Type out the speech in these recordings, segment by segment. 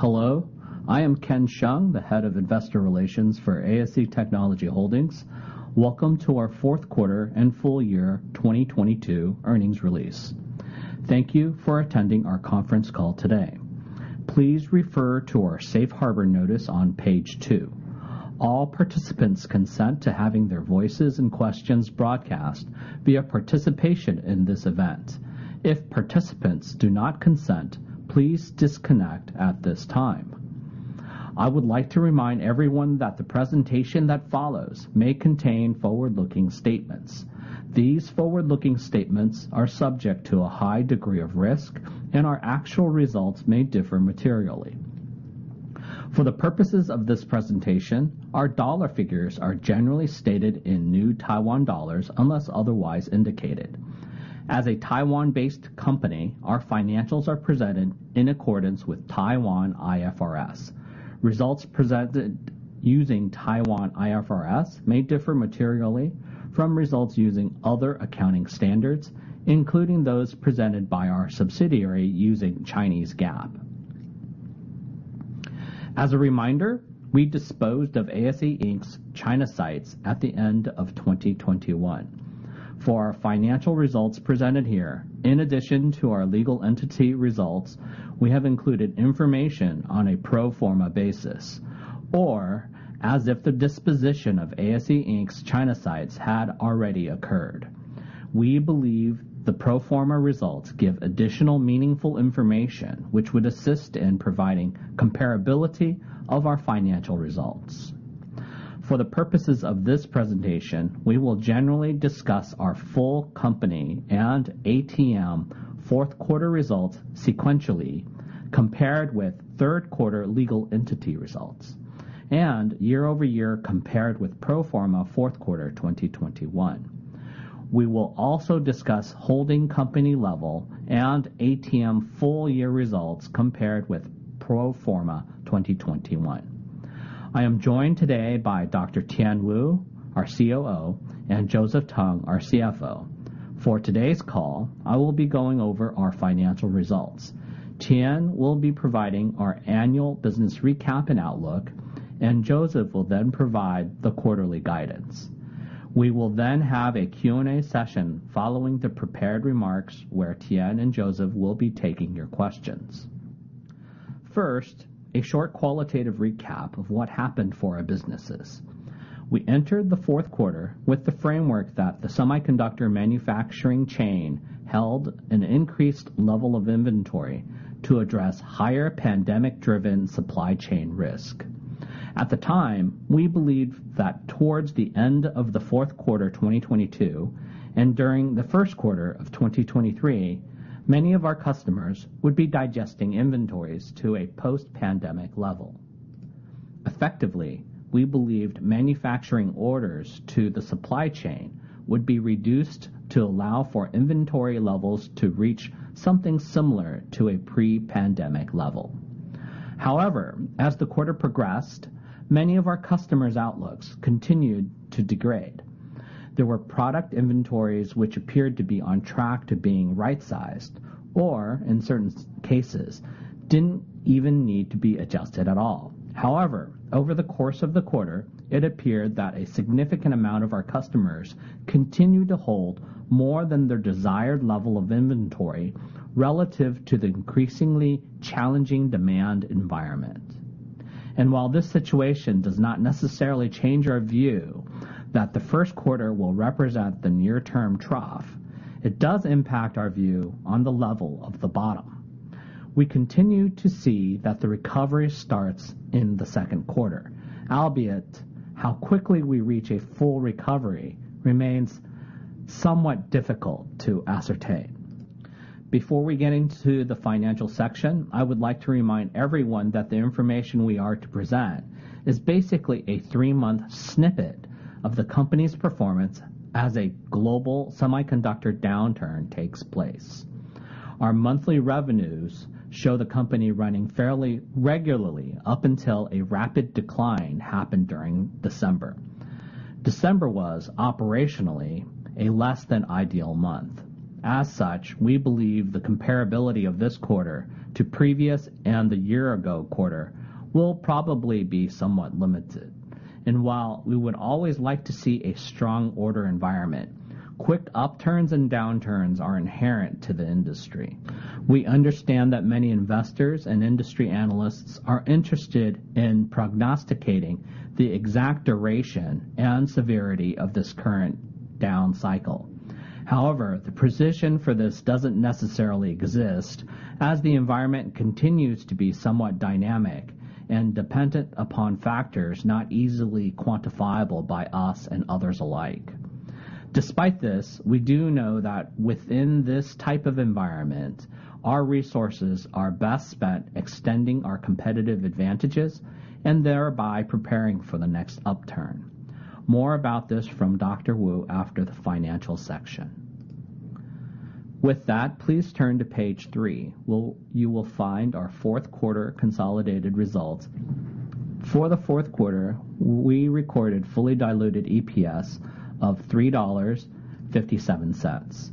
Hello, I am Ken Hsiang, the Head of Investor Relations for ASE Technology Holdings. Welcome to our fourth quarter and full year 2022 earnings release. Thank you for attending our conference call today. Please refer to our safe harbor notice on page 2. All participants consent to having their voices and questions broadcast via participation in this event. If participants do not consent, please disconnect at this time. I would like to remind everyone that the presentation that follows may contain forward-looking statements. These forward-looking statements are subject to a high degree of risk. Our actual results may differ materially. For the purposes of this presentation, our dollar figures are generally stated in New Taiwan dollars unless otherwise indicated. As a Taiwan-based company, our financials are presented in accordance with Taiwan IFRS. Results presented using Taiwan IFRS may differ materially from results using other accounting standards, including those presented by our subsidiary using Chinese GAAP. As a reminder, we disposed of ASE Inc.'s China sites at the end of 2021. For our financial results presented here, in addition to our legal entity results, we have included information on a pro forma basis, or as if the disposition of ASE Inc.'s China sites had already occurred. We believe the pro forma results give additional meaningful information, which would assist in providing comparability of our financial results. For the purposes of this presentation, we will generally discuss our full company and ATM fourth quarter results sequentially, compared with third quarter legal entity results and year-over-year compared with pro forma fourth quarter 2021. We will also discuss holding company level and ATM full year results compared with pro forma 2021. I am joined today by Dr. Tien Wu, our COO, and Joseph Tung, our CFO. For today's call, I will be going over our financial results. Tien will be providing our annual business recap and outlook, Joseph will then provide the quarterly guidance. We will then have a Q&A session following the prepared remarks where Tien and Joseph will be taking your questions. First, a short qualitative recap of what happened for our businesses. We entered the fourth quarter with the framework that the semiconductor manufacturing chain held an increased level of inventory to address higher pandemic-driven supply chain risk. At the time, we believed that towards the end of the fourth quarter 2022 and during the first quarter of 2023, many of our customers would be digesting inventories to a post-pandemic level. Effectively, we believed manufacturing orders to the supply chain would be reduced to allow for inventory levels to reach something similar to a pre-pandemic level. However, as the quarter progressed, many of our customers' outlooks continued to degrade. There were product inventories which appeared to be on track to being right-sized or in certain cases, didn't even need to be adjusted at all. However, over the course of the quarter, it appeared that a significant amount of our customers continued to hold more than their desired level of inventory relative to the increasingly challenging demand environment. While this situation does not necessarily change our view that the first quarter will represent the near-term trough, it does impact our view on the level of the bottom. We continue to see that the recovery starts in the second quarter, albeit how quickly we reach a full recovery remains somewhat difficult to ascertain. Before we get into the financial section, I would like to remind everyone that the information we are to present is basically a three-month snippet of the company's performance as a global semiconductor downturn takes place. Our monthly revenues show the company running fairly regularly up until a rapid decline happened during December. December was operationally a less than ideal month. As such, we believe the comparability of this quarter to previous and the year-ago quarter will probably be somewhat limited. While we would always like to see a strong order environment, quick upturns and downturns are inherent to the industry. We understand that many investors and industry analysts are interested in prognosticating the exact duration and severity of this current down cycle. The precision for this doesn't necessarily exist as the environment continues to be somewhat dynamic and dependent upon factors not easily quantifiable by us and others alike. Despite this, we do know that within this type of environment, our resources are best spent extending our competitive advantages and thereby preparing for the next upturn. More about this from Dr. Wu after the financial section. Please turn to page 3, where you will find our fourth quarter consolidated results. For the fourth quarter, we recorded fully diluted EPS of 3.57 dollars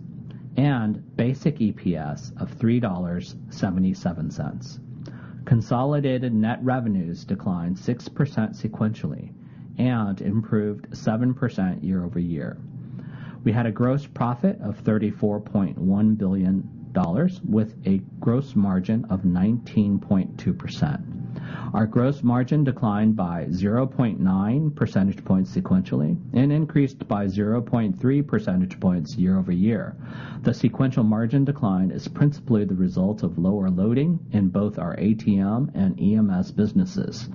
and basic EPS of 3.77 dollars. Consolidated net revenues declined 6% sequentially and improved 7% year-over-year. We had a gross profit of 34.1 billion dollars with a gross margin of 19.2%. Our gross margin declined by 0.9 percentage points sequentially and increased by 0.3 percentage points year-over-year. The sequential margin decline is principally the result of lower loading in both our ATM and EMS businesses.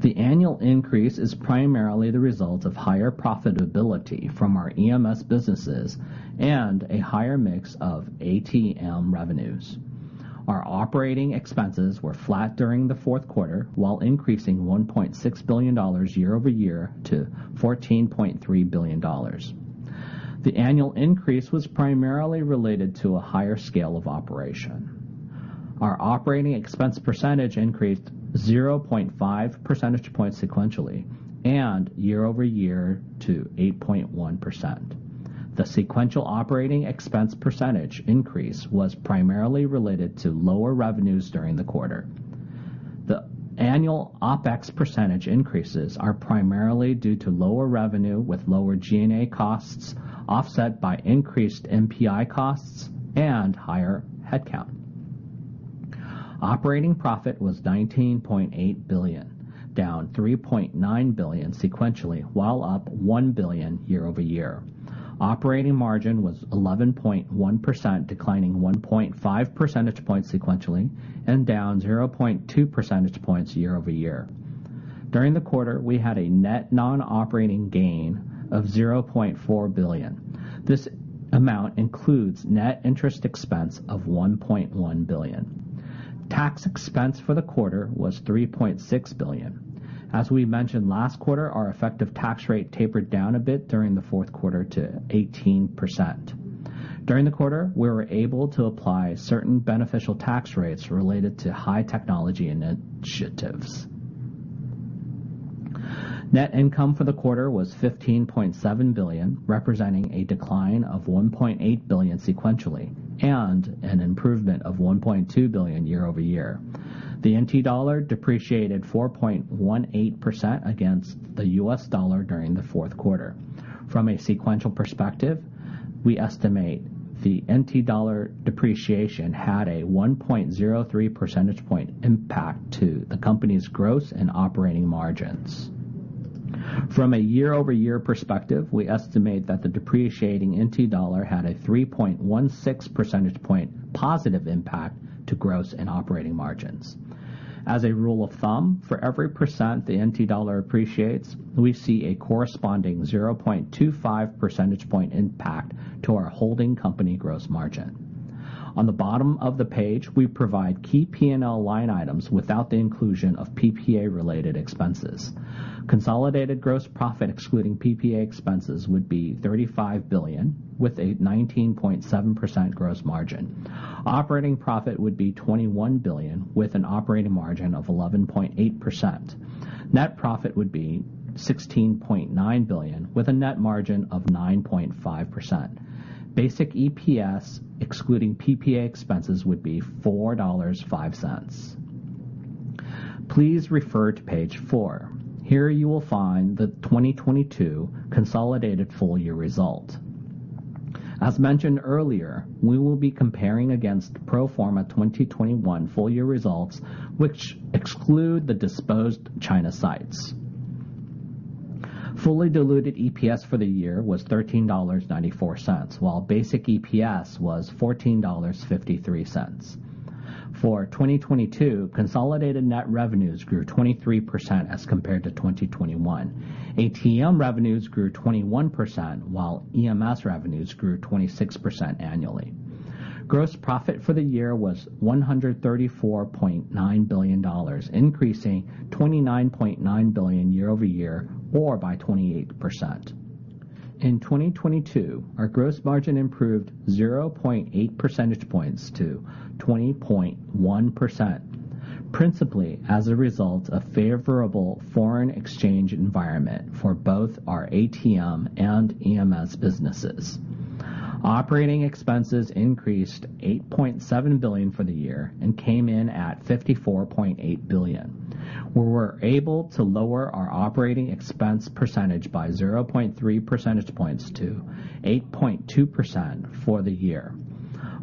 The annual increase is primarily the result of higher profitability from our EMS businesses and a higher mix of ATM revenues. Our operating expenses were flat during the fourth quarter, while increasing $1.6 billion year-over-year to $14.3 billion. The annual increase was primarily related to a higher scale of operation. Our operating expense percentage increased 0.5 percentage points sequentially and year-over-year to 8.1%. The sequential operating expense percentage increase was primarily related to lower revenues during the quarter. The annual OpEx percentage increases are primarily due to lower revenue with lower G&A costs, offset by increased NPI costs and higher headcount. Operating profit was 19.8 billion, down 3.9 billion sequentially, while up 1 billion year-over-year. Operating margin was 11.1%, declining 1.5 percentage points sequentially and down 0.2 percentage points year-over-year. During the quarter, we had a net non-operating gain of 0.4 billion. This amount includes net interest expense of 1.1 billion. Tax expense for the quarter was 3.6 billion. As we mentioned last quarter, our effective tax rate tapered down a bit during the fourth quarter to 18%. During the quarter, we were able to apply certain beneficial tax rates related to high technology initiatives. Net income for the quarter was 15.7 billion, representing a decline of 1.8 billion sequentially and an improvement of 1.2 billion year-over-year. The NT dollar depreciated 4.18% against the U.S. dollar during the fourth quarter. From a sequential perspective, we estimate the NT dollar depreciation had a 1.03 percentage point impact to the company's gross and operating margins. From a year-over-year perspective, we estimate that the depreciating NT dollar had a 3.16 percentage point positive impact to gross and operating margins. As a rule of thumb, for every % the NT dollar appreciates, we see a corresponding 0.25 percentage point impact to our holding company gross margin. On the bottom of the page, we provide key P&L line items without the inclusion of PPA-related expenses. Consolidated gross profit excluding PPA expenses would be 35 billion with a 19.7% gross margin. Operating profit would be 21 billion with an operating margin of 11.8%. Net profit would be 16.9 billion with a net margin of 9.5%. Basic EPS excluding PPA expenses would be 4.05 dollars. Please refer to page 4. Here you will find the 2022 consolidated full year result. As mentioned earlier, we will be comparing against pro forma 2021 full year results, which exclude the disposed China sites. Fully diluted EPS for the year was 13.94 dollars, while basic EPS was 14.53 dollars. For 2022, consolidated net revenues grew 23% as compared to 2021. ATM revenues grew 21%, while EMS revenues grew 26% annually. Gross profit for the year was 134.9 billion dollars, increasing 29.9 billion year-over-year or by 28%. In 2022, our gross margin improved 0.8 percentage points to 20.1%, principally as a result of favorable foreign exchange environment for both our ATM and EMS businesses. Operating expenses increased 8.7 billion for the year and came in at 54.8 billion. We were able to lower our operating expense percentage by 0.3 percentage points to 8.2% for the year.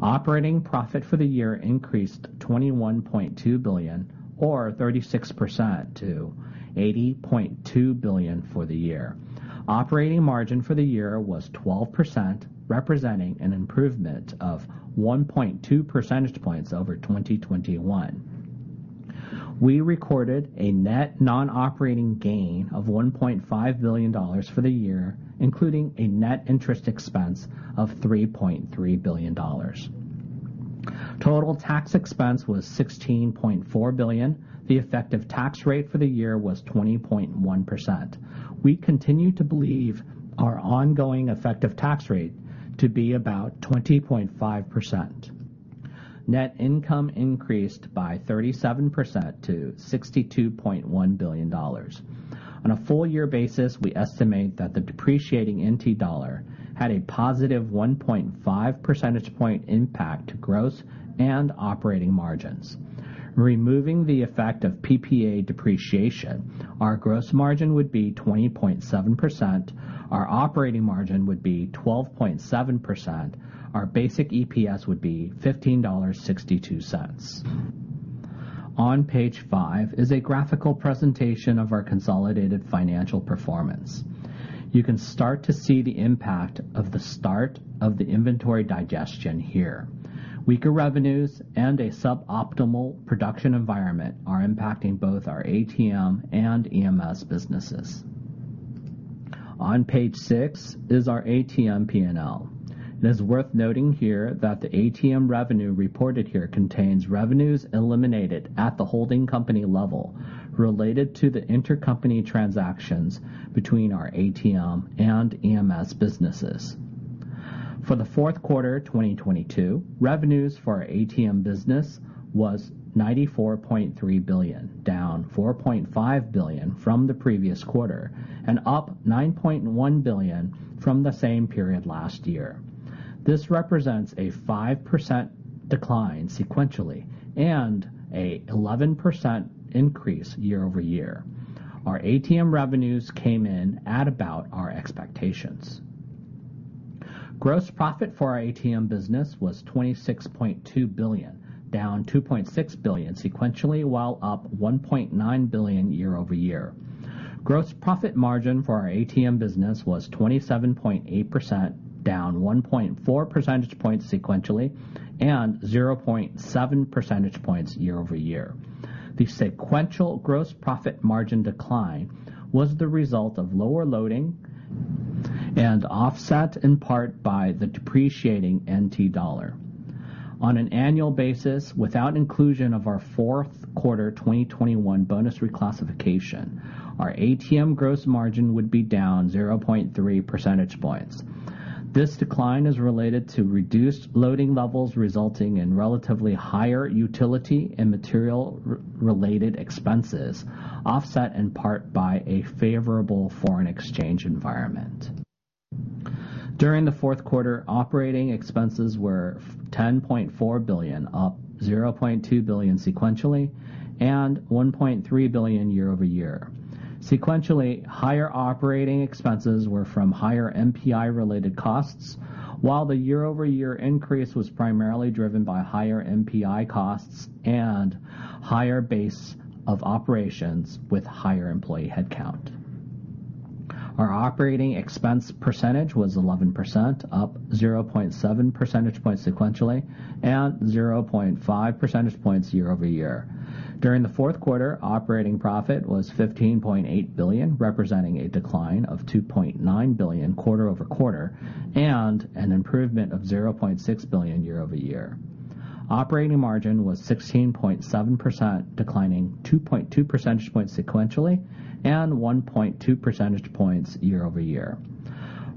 Operating profit for the year increased 21.2 billion or 36% to 80.2 billion for the year. Operating margin for the year was 12%, representing an improvement of 1.2 percentage points over 2021. We recorded a net non-operating gain of 1.5 billion dollars for the year, including a net interest expense of 3.3 billion dollars. Total tax expense was 16.4 billion. The effective tax rate for the year was 20.1%. We continue to believe our ongoing effective tax rate to be about 20.5%. Net income increased by 37% to 62.1 billion dollars. On a full year basis, we estimate that the depreciating NT dollar had a positive 1.5 percentage point impact to gross and operating margins. Removing the effect of PPA depreciation, our gross margin would be 20.7%, our operating margin would be 12.7%. Our basic EPS would be 15.62 dollars. On page 5 is a graphical presentation of our consolidated financial performance. You can start to see the impact of the start of the inventory digestion here. Weaker revenues and a sub-optimal production environment are impacting both our ATM and EMS businesses. On page 6 is our ATM P&L. It is worth noting here that the ATM revenue reported here contains revenues eliminated at the holding company level related to the intercompany transactions between our ATM and EMS businesses. For the fourth quarter 2022, revenues for our ATM business was 94.3 billion, down 4.5 billion from the previous quarter and up 9.1 billion from the same period last year. This represents a 5% decline sequentially and an 11% increase year-over-year. Our ATM revenues came in at about our expectations. Gross profit for our ATM business was 26.2 billion, down 2.6 billion sequentially, while up 1.9 billion year-over-year. Gross profit margin for our ATM business was 27.8%, down 1.4 percentage points sequentially and 0.7 percentage points year-over-year. The sequential gross profit margin decline was the result of lower loading and offset, in part by the depreciating NT dollar. On an annual basis, without inclusion of our fourth quarter 2021 bonus reclassification, our ATM gross margin would be down 0.3 percentage points. This decline is related to reduced loading levels, resulting in relatively higher utility and material related expenses, offset in part by a favorable foreign exchange environment. During the fourth quarter, operating expenses were 10.4 billion, up 0.2 billion sequentially, and 1.3 billion year-over-year. Sequentially, higher operating expenses were from higher MPI-related costs, while the year-over-year increase was primarily driven by higher MPI costs and higher base of operations with higher employee headcount. Our operating expense percentage was 11%, up 0.7 percentage points sequentially and 0.5 percentage points year-over-year. During the fourth quarter, operating profit was 15.8 billion, representing a decline of 2.9 billion quarter-over-quarter and an improvement of 0.6 billion year-over-year. Operating margin was 16.7%, declining 2.2 percentage points sequentially and 1.2 percentage points year-over-year.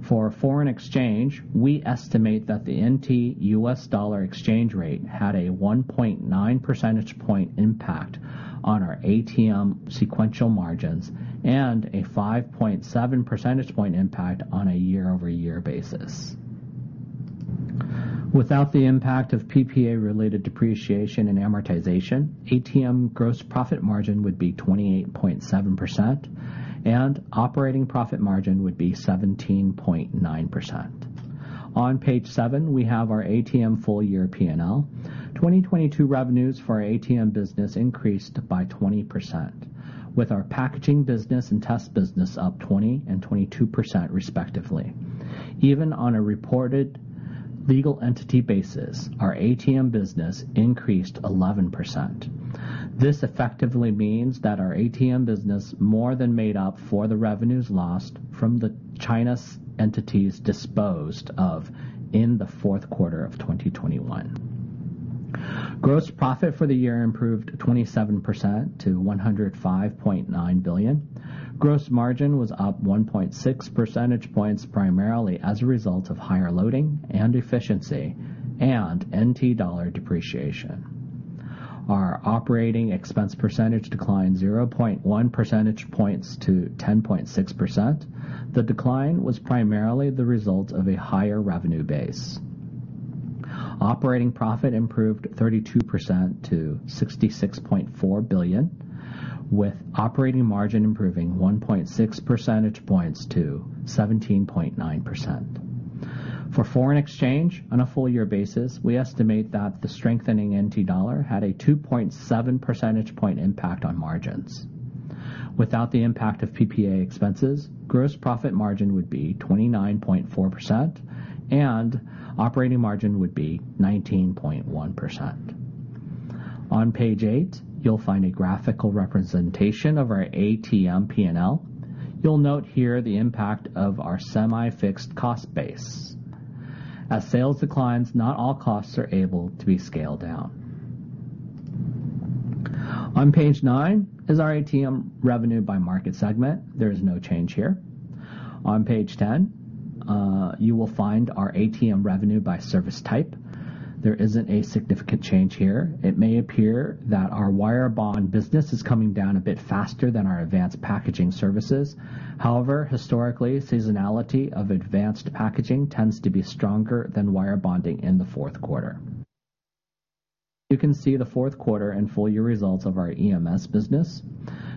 For foreign exchange, we estimate that the NT/U.S. dollar exchange rate had a 1.9 percentage point impact on our ATM sequential margins and a 5.7 percentage point impact on a year-over-year basis. Without the impact of PPA-related depreciation and amortization, ATM gross profit margin would be 28.7% and operating profit margin would be 17.9%. On page 7, we have our ATM full year P&L. 2022 revenues for our ATM business increased by 20%, with our packaging business and test business up 20% and 22%, respectively. Even on a reported legal entity basis, our ATM business increased 11%. This effectively means that our ATM business more than made up for the revenues lost from the China entities disposed of in the fourth quarter of 2021. Gross profit for the year improved 27% to 105.9 billion. Gross margin was up 1.6 percentage points, primarily as a result of higher loading and efficiency and NT dollar depreciation. Our operating expense percentage declined 0.1 percentage points to 10.6%. The decline was primarily the result of a higher revenue base. Operating profit improved 32% to 66.4 billion, with operating margin improving 1.6 percentage points to 17.9%. For foreign exchange on a full year basis, we estimate that the strengthening NT dollar had a 2.7 percentage point impact on margins. Without the impact of PPA expenses, gross profit margin would be 29.4% and operating margin would be 19.1%. On page 8, you'll find a graphical representation of our ATM P&L. You'll note here the impact of our semi-fixed cost base. As sales declines, not all costs are able to be scaled down. On page 9 is our ATM revenue by market segment. There is no change here. On page 10, you will find our ATM revenue by service type. There isn't a significant change here. It may appear that our wire bond business is coming down a bit faster than our advanced packaging services. However, historically, seasonality of advanced packaging tends to be stronger than wire bonding in the fourth quarter. You can see the fourth quarter and full year results of our EMS business.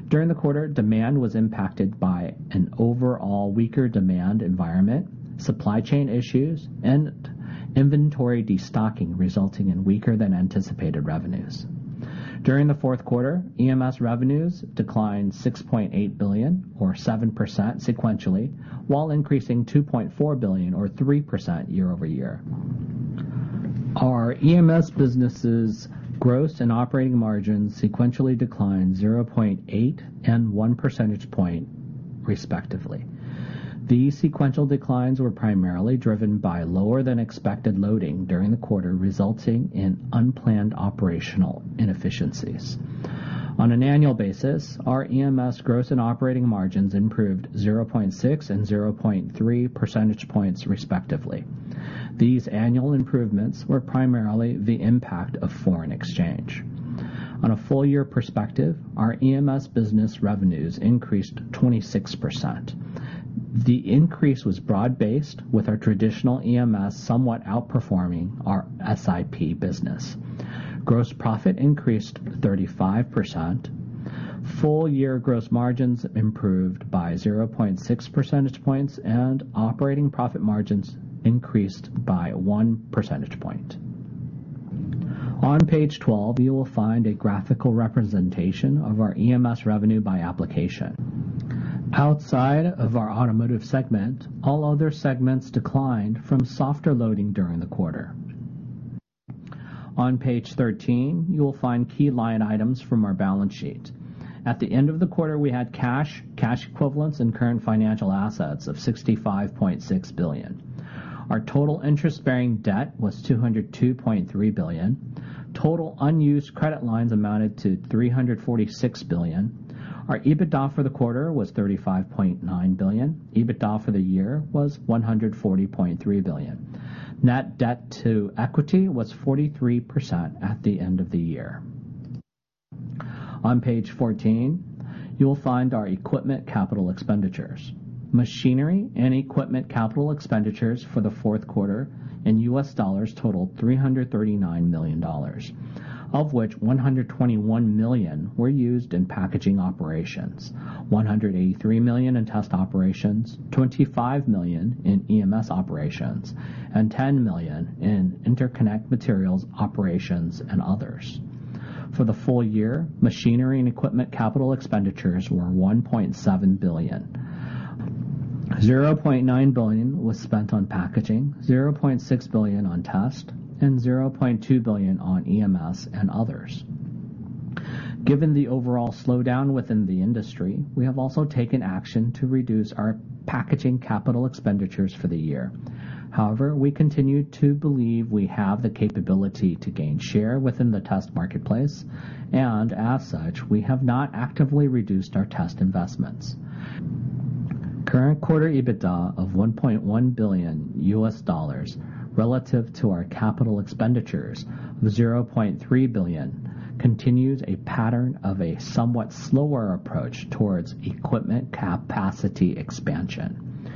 During the quarter, demand was impacted by an overall weaker demand environment, supply chain issues, and inventory destocking, resulting in weaker than anticipated revenues. During the fourth quarter, EMS revenues declined 6.8 billion or 7% sequentially, while increasing 2.4 billion or 3% year-over-year. Our EMS business' gross and operating margins sequentially declined 0.8 and 1 percentage point, respectively. These sequential declines were primarily driven by lower than expected loading during the quarter, resulting in unplanned operational inefficiencies. On an annual basis, our EMS gross and operating margins improved 0.6 and 0.3 percentage points, respectively. These annual improvements were primarily the impact of foreign exchange. On a full year perspective, our EMS business revenues increased 26%. The increase was broad-based, with our traditional EMS somewhat outperforming our SIP business. Gross profit increased 35%. Full year gross margins improved by 0.6 percentage points, and operating profit margins increased by 1 percentage point. On page 12, you will find a graphical representation of our EMS revenue by application. Outside of our automotive segment, all other segments declined from softer loading during the quarter. On page 13, you will find key line items from our balance sheet. At the end of the quarter, we had cash equivalents, and current financial assets of 65.6 billion. Our total interest-bearing debt was 202.3 billion. Total unused credit lines amounted to 346 billion. Our EBITDA for the quarter was 35.9 billion. EBITDA for the year was 140.3 billion. Net debt to equity was 43% at the end of the year. On page 14, you will find our equipment capital expenditures. Machinery and equipment capital expenditures for the fourth quarter in U.S. dollars totaled $339 million, of which $121 million were used in packaging operations, $183 million in test operations, $25 million in EMS operations, and $10 million in interconnect materials, operations, and others. For the full year, machinery and equipment capital expenditures were $1.7 billion. $0.9 billion was spent on packaging, $0.6 billion on test, and $0.2 billion on EMS and others. Given the overall slowdown within the industry, we have also taken action to reduce our packaging capital expenditures for the year. However, we continue to believe we have the capability to gain share within the test marketplace, and as such, we have not actively reduced our test investments. Current quarter EBITDA of $1.1 billion relative to our capital expenditures of $0.3 billion continues a pattern of a somewhat slower approach towards equipment capacity expansion.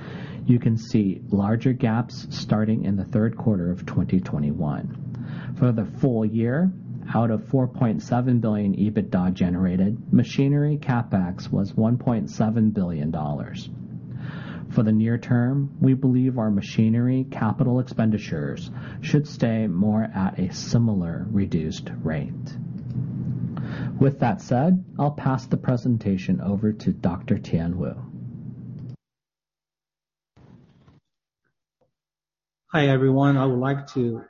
You can see larger gaps starting in the third quarter of 2021. For the full year, out of $4.7 billion EBITDA generated, machinery CapEx was $1.7 billion. For the near term, we believe our machinery capital expenditures should stay more at a similar reduced rate. With that said, I'll pass the presentation over to Dr. Tien Wu. Hi, everyone. I would like to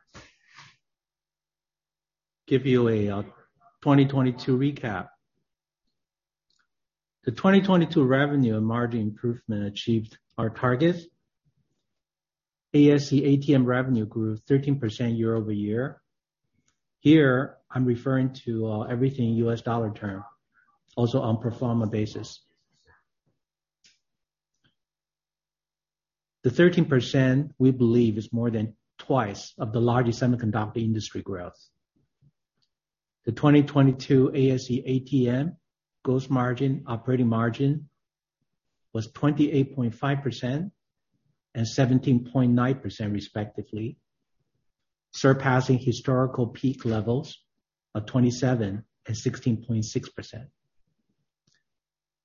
give you a 2022 recap. The 2022 revenue and margin improvement achieved our targets. ASE ATM revenue grew 13% year-over-year. Here, I'm referring to everything U.S. dollar term, also on pro forma basis. The 13%, we believe, is more than twice of the largest semiconductor industry growth. The 2022 ASE ATM gross margin, operating margin was 28.5% and 17.9% respectively, surpassing historical peak levels of 27% and 16.6%.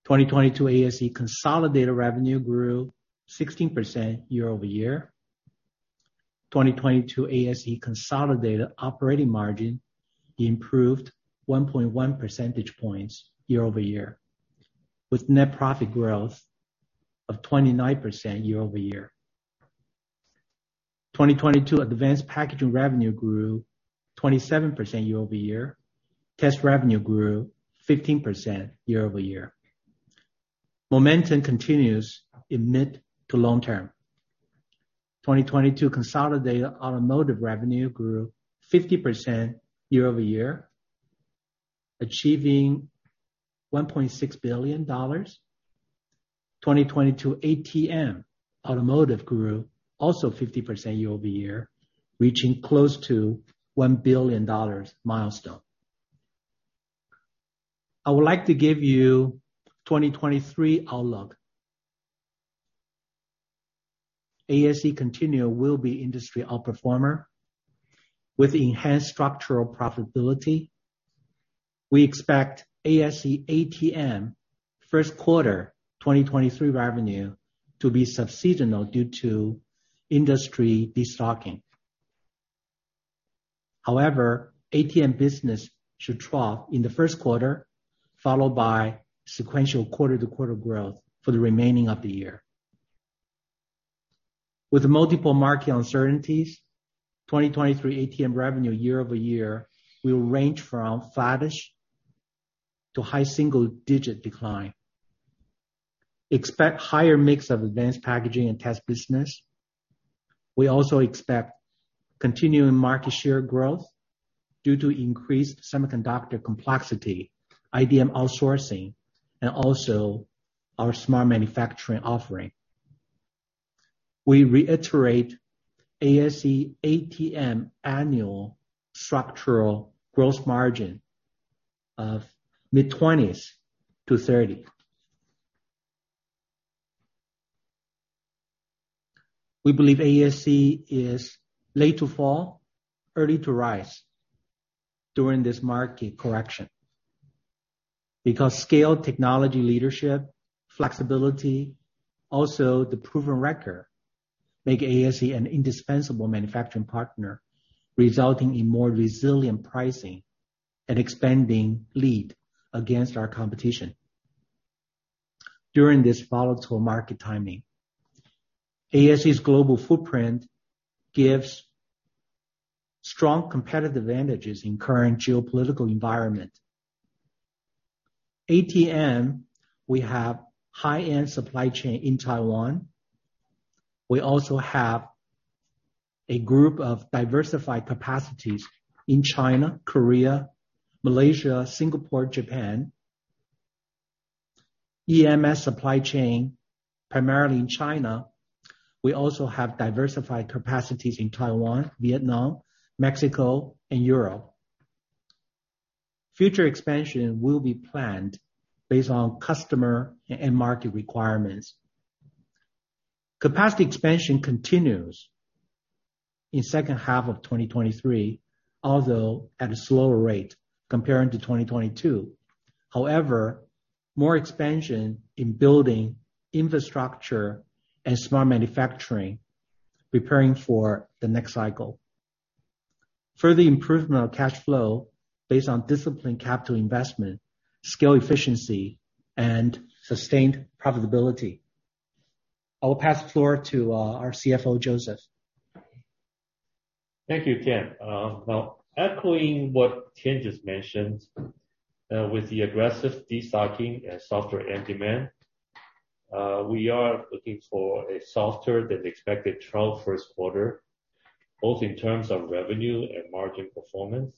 2022 ASE consolidated revenue grew 16% year-over-year. 2022 ASE consolidated operating margin improved 1.1 percentage points year-over-year, with net profit growth of 29% year-over-year. 2022 advanced packaging revenue grew 27% year-over-year. Test revenue grew 15% year-over-year. Momentum continues in mid-to long-term. 2022 consolidated automotive revenue grew 50% year-over-year, achieving $1.6 billion. 2022 ATM automotive grew also 50% year-over-year, reaching close to $1 billion milestone. I would like to give you 2023 outlook. ASE continue will be industry outperformer with enhanced structural profitability. We expect ASE ATM first quarter 2023 revenue to be sub-seasonal due to industry destocking. ATM business should trough in the first quarter, followed by sequential quarter-to-quarter growth for the remaining of the year. With multiple market uncertainties, 2023 ATM revenue year-over-year will range from five-ish to high single digit decline. Expect higher mix of advanced packaging and test business. We also expect continuing market share growth due to increased semiconductor complexity, IDM outsourcing, and also our Smart Manufacturing offering. We reiterate ASE ATM annual structural gross margin of mid-20s to 30. We believe ASE is late to fall, early to rise during this market correction, because scale technology leadership, flexibility, also the proven record make ASE an indispensable manufacturing partner, resulting in more resilient pricing and expanding lead against our competition during this volatile market timing. ASE's global footprint gives strong competitive advantages in current geopolitical environment. ATM, we have high-end supply chain in Taiwan. We also have a group of diversified capacities in China, Korea, Malaysia, Singapore, Japan. EMS supply chain, primarily in China, we also have diversified capacities in Taiwan, Vietnam, Mexico, and Europe. Future expansion will be planned based on customer and market requirements. Capacity expansion continues in second half of 2023, although at a slower rate comparing to 2022. More expansion in building infrastructure and Smart Manufacturing, preparing for the next cycle. Further improvement of cash flow based on disciplined capital investment, scale efficiency, and sustained profitability. I will pass the floor to our CFO, Joseph. Thank you, Tien. Echoing what Tien just mentioned, with the aggressive destocking and softer end demand, we are looking for a softer than expected trough first quarter, both in terms of revenue and margin performance.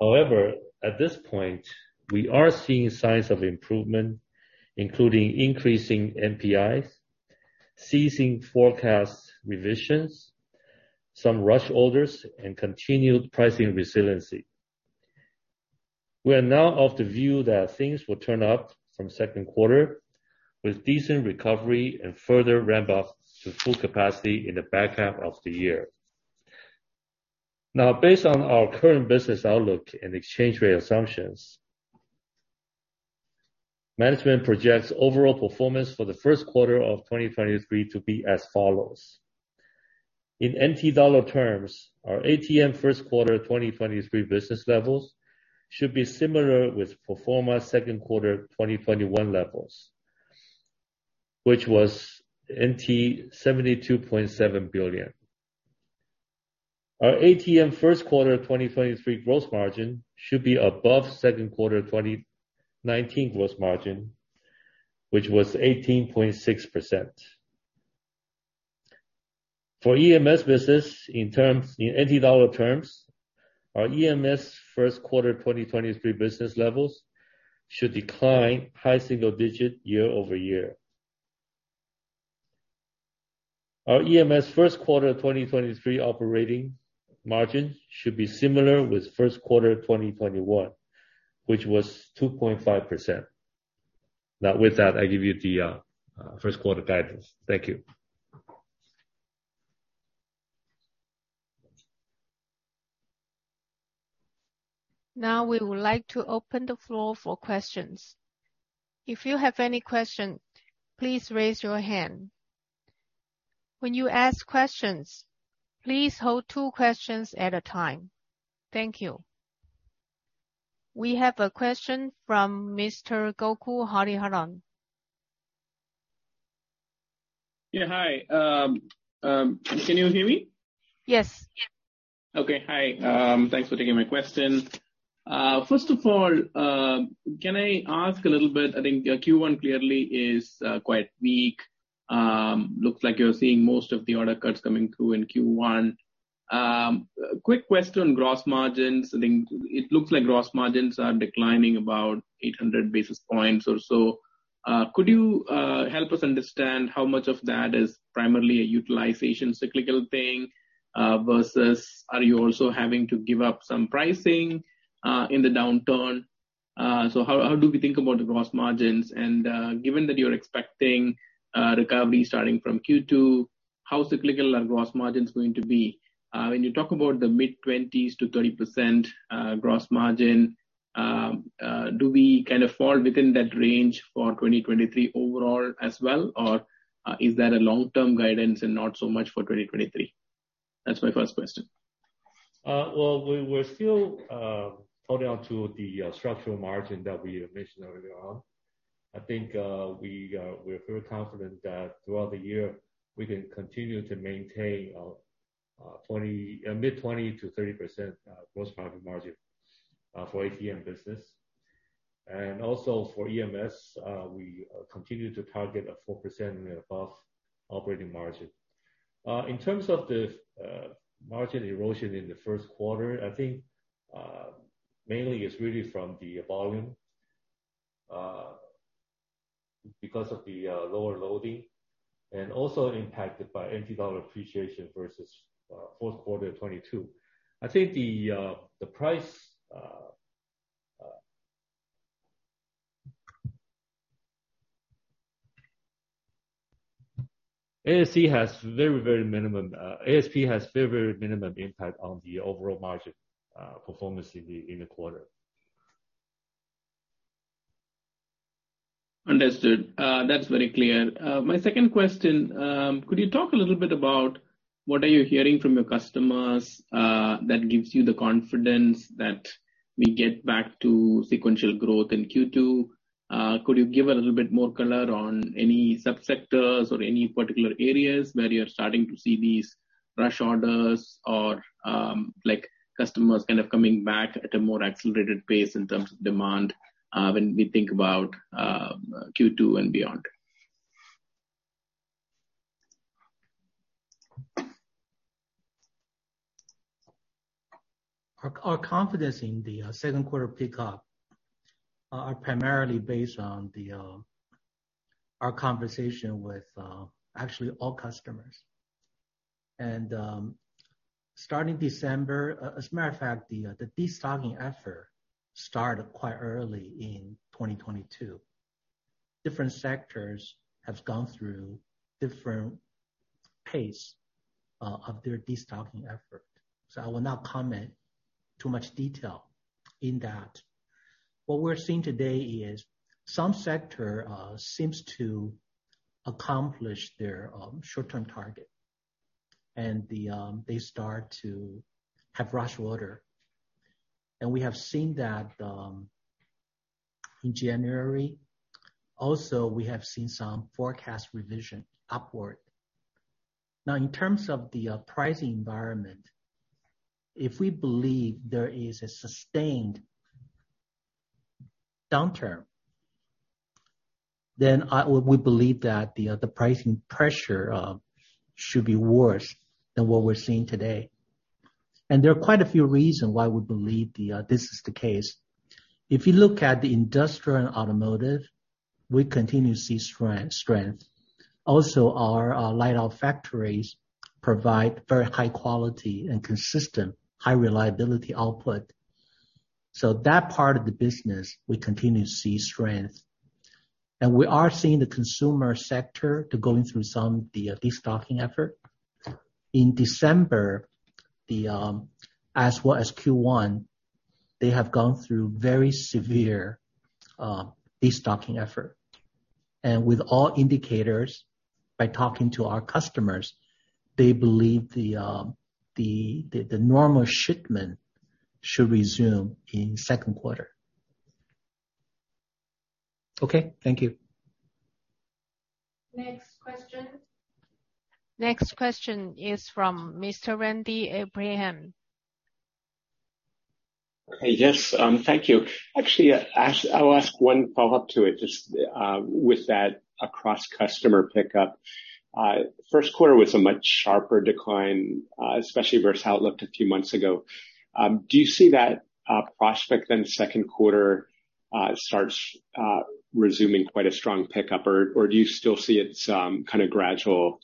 However, at this point, we are seeing signs of improvement, including increasing NPIs, ceasing forecast revisions, some rush orders, and continued pricing resiliency. We are now of the view that things will turn up from second quarter with decent recovery and further ramp up to full capacity in the back half of the year. Based on our current business outlook and exchange rate assumptions, management projects overall performance for the first quarter of 2023 to be as follows. In NT dollar terms, our ATM first quarter 2023 business levels should be similar with pro forma second quarter 2021 levels, which was NT$ 72.7 billion. Our ATM first quarter 2023 gross margin should be above second quarter 2019 gross margin, which was 18.6%. For EMS business, in NT dollar terms, our EMS first quarter 2023 business levels should decline high single digit year-over-year. Our EMS first quarter 2023 operating margin should be similar with first quarter 2021, which was 2.5. With that, I give you the first quarter guidance. Thank you. Now we would like to open the floor for questions. If you have any question, please raise your hand. When you ask questions, please hold two questions at a time. Thank you. We have a question from Mr. Gokul Hariharan. Yeah. Hi. Can you hear me? Yes. Yes. Okay. Hi, thanks for taking my question. First of all, can I ask a little bit, I think, Q1 clearly is quite weak. Looks like you're seeing most of the order cuts coming through in Q1. Quick question on gross margins. I think it looks like gross margins are declining about 800 basis points or so. Could you help us understand how much of that is primarily a utilization cyclical thing, versus are you also having to give up some pricing in the downturn? How do we think about the gross margins? Given that you're expecting recovery starting from Q2, how cyclical are gross margins going to be? When you talk about the mid-20s to 30% gross margin, do we kind of fall within that range for 2023 overall as well, or is that a long-term guidance and not so much for 2023? That's my first question. Well, we were still holding on to the structural margin that we mentioned earlier on. I think we're very confident that throughout the year we can continue to maintain mid-20% to 30% gross profit margin for ATM business. Also for EMS, we continue to target a 4% and above operating margin. In terms of the margin erosion in the first quarter, I think mainly it's really from the volume because of the lower loading, and also impacted by NT dollar appreciation versus fourth quarter 2022. I think the price, ASP has very, very minimum impact on the overall margin performance in the quarter. Understood. That's very clear. My second question, could you talk a little bit about what are you hearing from your customers, that gives you the confidence that we get back to sequential growth in Q2? Could you give a little bit more color on any sub-sectors or any particular areas where you're starting to see these rush orders or, like customers kind of coming back at a more accelerated pace in terms of demand, when we think about Q2 and beyond? Our confidence in the second quarter pickup are primarily based on our conversation with actually all customers. Starting December, as a matter of fact, the destocking effort started quite early in 2022. Different sectors have gone through different pace of their destocking effort, so I will not comment too much detail in that. What we're seeing today is some sector seems to accomplish their short-term target and they start to have rush order. We have seen that in January. Also, we have seen some forecast revision upward. In terms of the pricing environment, if we believe there is a sustained downturn, then we believe that the pricing pressure should be worse than what we're seeing today. There are quite a few reasons why we believe this is the case. If you look at the industrial and automotive, we continue to see strength. Also, our Lights-Out Factories provide very high quality and consistent high reliability output. That part of the business we continue to see strength. We are seeing the consumer sector to going through some destocking effort. In December, as well as Q1, they have gone through very severe destocking effort. With all indicators, by talking to our customers, they believe the normal shipment should resume in second quarter. Okay, thank you. Next question. Next question is from Mr. Randy Abrams. Yes, thank you. Actually, I'll ask one follow-up to it, just with that across customer pickup. First quarter was a much sharper decline, especially versus how it looked a few months ago. Do you see that prospect then second quarter starts resuming quite a strong pickup? Or do you still see it's kind of gradual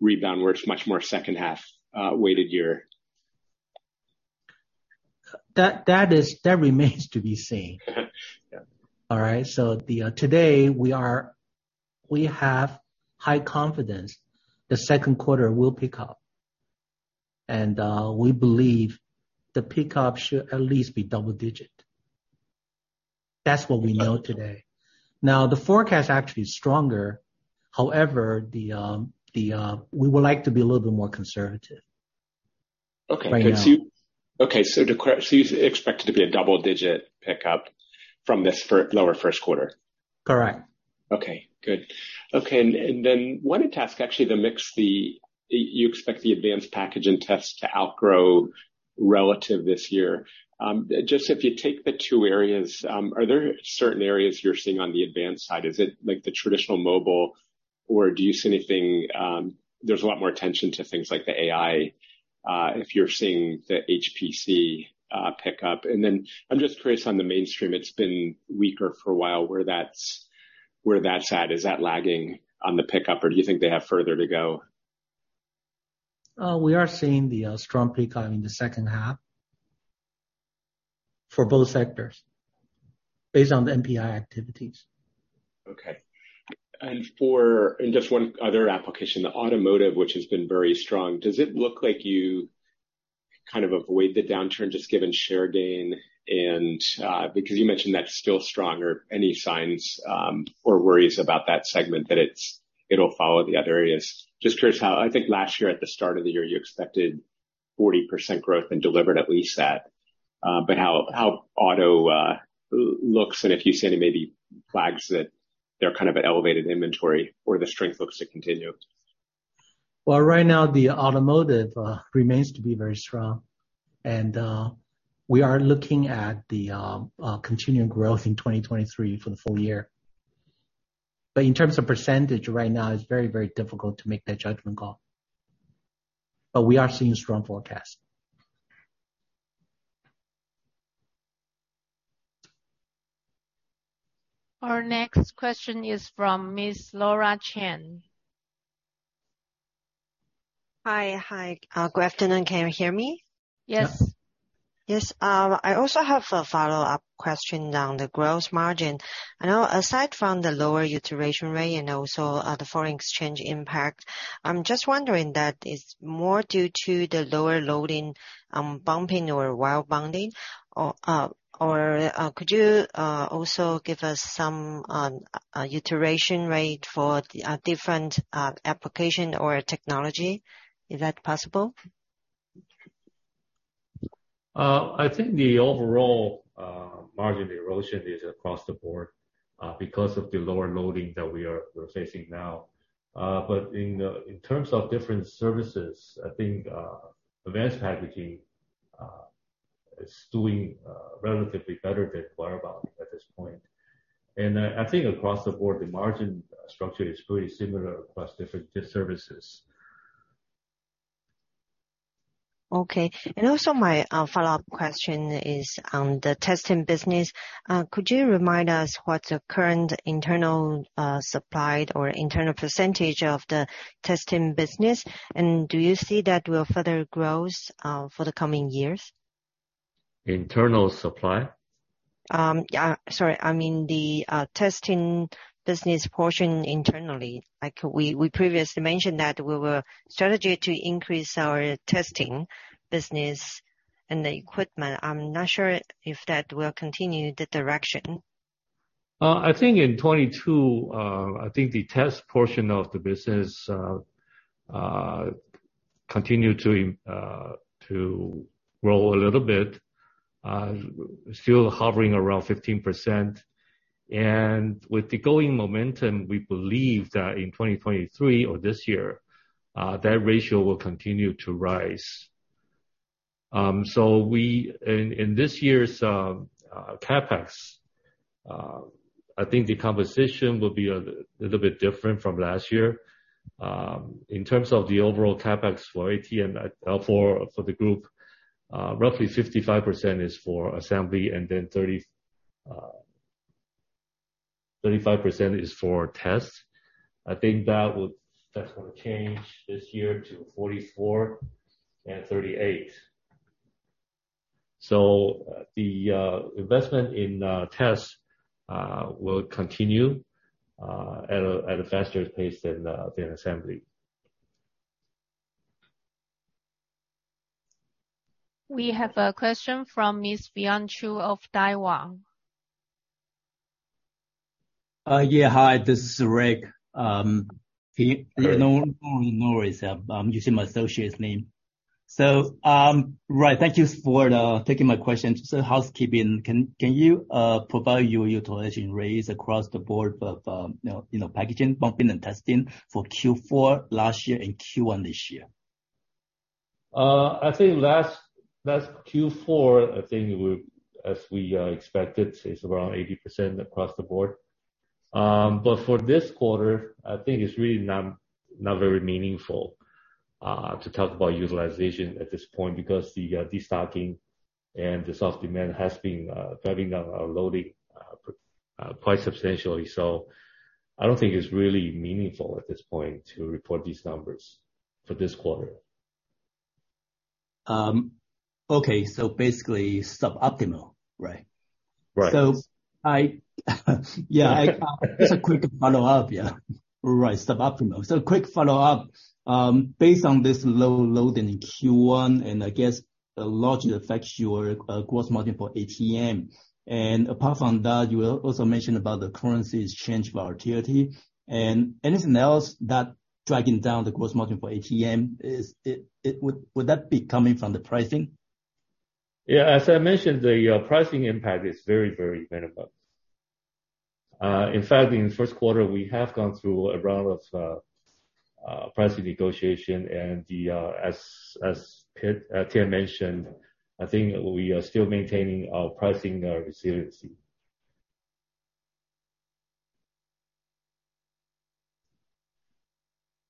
rebound where it's much more second half weighted year? That is... that remains to be seen. Yeah. All right? The, today we have high confidence the second quarter will pick up. We believe the pickup should at least be double digit. That's what we know today. The forecast actually is stronger, however, the, we would like to be a little bit more conservative right now. Okay. Okay, so you expect it to be a double-digit pickup from this lower first quarter? Correct. Okay, good. Okay, wanted to ask actually the mix, you expect the advanced packaging tests to outgrow relative this year. Just if you take the two areas, are there certain areas you're seeing on the advanced side? Is it like the traditional mobile, or do you see anything, there's a lot more attention to things like the AI, if you're seeing the HPC pick up? I'm just curious on the mainstream, it's been weaker for a while, where that's at. Is that lagging on the pickup, or do you think they have further to go? We are seeing the strong pickup in the second half for both sectors based on the NPI activities. Okay. Just one other application, the automotive, which has been very strong. Does it look like you kind of avoid the downturn just given share gain and because you mentioned that's still strong or any signs or worries about that segment that it'll follow the other areas? Just curious how I think last year at the start of the year, you expected 40% growth and delivered at least that. How auto looks, and if you see any maybe flags that they're kind of at elevated inventory or the strength looks to continue? Well, right now the automotive remains to be very strong. We are looking at the continuing growth in 2023 for the full year. In terms of percentage right now, it's very, very difficult to make that judgment call. We are seeing strong forecast. Our next question is from Miss Laura Chen. Hi. Good afternoon. Can you hear me? Yes. Yeah. Yes. I also have a follow-up question on the gross margin. I know aside from the lower utilization rate and also the foreign exchange impact, I'm just wondering that it's more due to the lower loading, bumping or wire bond or could you also give us some utilization rate for different application or technology? Is that possible? ** I think the overall margin erosion is across the board because of the lower loading that we are facing now. But in terms of different services, I think advanced packaging is doing relatively better than wire bond at this point. I think across the board, the margin structure is pretty similar across different services. ** Okay. Also my follow-up question is on the testing business. Could you remind us what the current internal supply or internal percentage of the testing business, and do you see that will further growth for the coming years? Internal supply? Yeah. Sorry. I mean, the testing business portion internally. Like we previously mentioned that we will strategy to increase our testing business and the equipment. I'm not sure if that will continue the direction. I think in 2022, I think the test portion of the business continued to grow a little bit, still hovering around 15%. With the going momentum, we believe that in 2023 or this year, that ratio will continue to rise. In this year's CapEx, I think the composition will be a little bit different from last year. In terms of the overall CapEx for AT and for the group, roughly 55% is for assembly and then 35% is for test. I think that will change this year to 44% and 38%. The investment in test will continue at a faster pace than assembly. We have a question from Miss Bianchu of Daiwa. Yeah. Hi, this is Rick Hsu. Rick. No, no worries. I'm using my associate's name. Right, thank you for taking my question. Housekeeping, can you provide your utilization rates across the board of, you know, packaging, bumping and testing for Q4 last year and Q1 this year? I think last Q4, I think we, as we expected, is around 80% across the board. For this quarter, I think it's really not very meaningful to talk about utilization at this point because the destocking and the soft demand has been driving down our loading quite substantially. I don't think it's really meaningful at this point to report these numbers for this quarter. Okay. Basically suboptimal, right? Right. Just a quick follow-up. Yeah. Right. Suboptimal. Quick follow-up. Based on this low load in Q1, I guess it largely affects your gross margin for ATM. Apart from that, you also mentioned about the currency exchange volatility. Anything else that dragging down the gross margin for ATM, is it, would that be coming from the pricing? As I mentioned, the pricing impact is very, very minimal. In fact, in the first quarter, we have gone through a round of pricing negotiation and as Ken mentioned, I think we are still maintaining our pricing resiliency.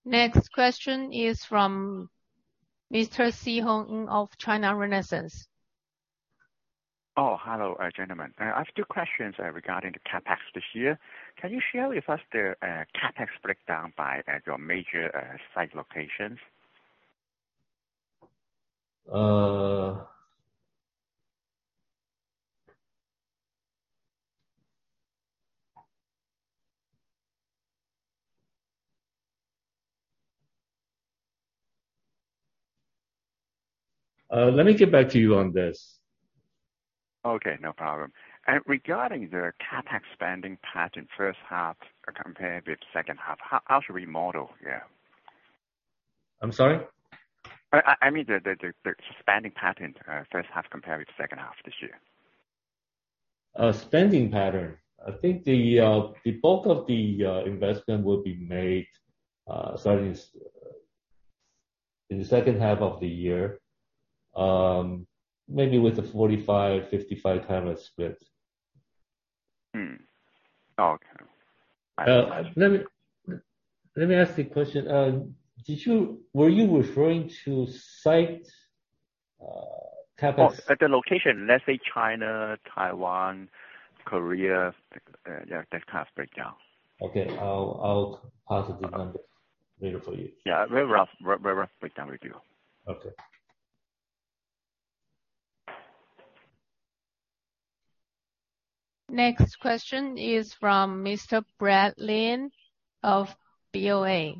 Next question is from Mr. Szeho Ng of China Renaissance. Hello, gentlemen. I have two questions regarding the CapEx this year. Can you share with us the CapEx breakdown by your major site locations? Let me get back to you on this. Okay, no problem. Regarding the CapEx spending pattern H1 compared with H2, how should we model here? I'm sorry? I mean the spending pattern, H1 compared with H2 this year. Spending pattern. I think the bulk of the investment will be made starting in the second half of the year, maybe with a 45:55 kind of split. Okay. Let me ask the question. Were you referring to site, CapEx? At the location, let's say China, Taiwan, Korea, yeah, that kind of breakdown. Okay. I'll send it later for you. Yeah. Very rough breakdown will do. Okay. Next question is from Mr. Brad Lin of BOA.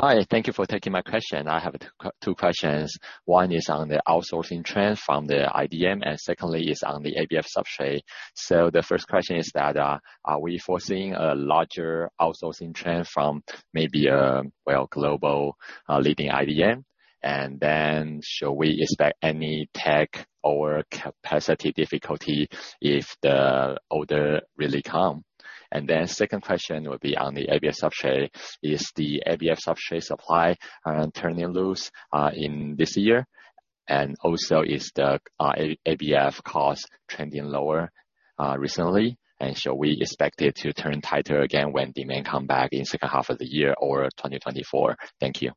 Hi. Thank you for taking my question. I have two questions. One is on the outsourcing trend from the IDM, and secondly is on the ABF Substrate. The first question is that, are we foreseeing a larger outsourcing trend from maybe, well, global, leading IDM? Should we expect any tech or capacity difficulty if the order really come? Second question would be on the ABF Substrate. Is the ABF Substrate supply turning loose in this year? Is the ABF cost trending lower recently? Shall we expect it to turn tighter again when demand come back in second half of the year or 2024? Thank you.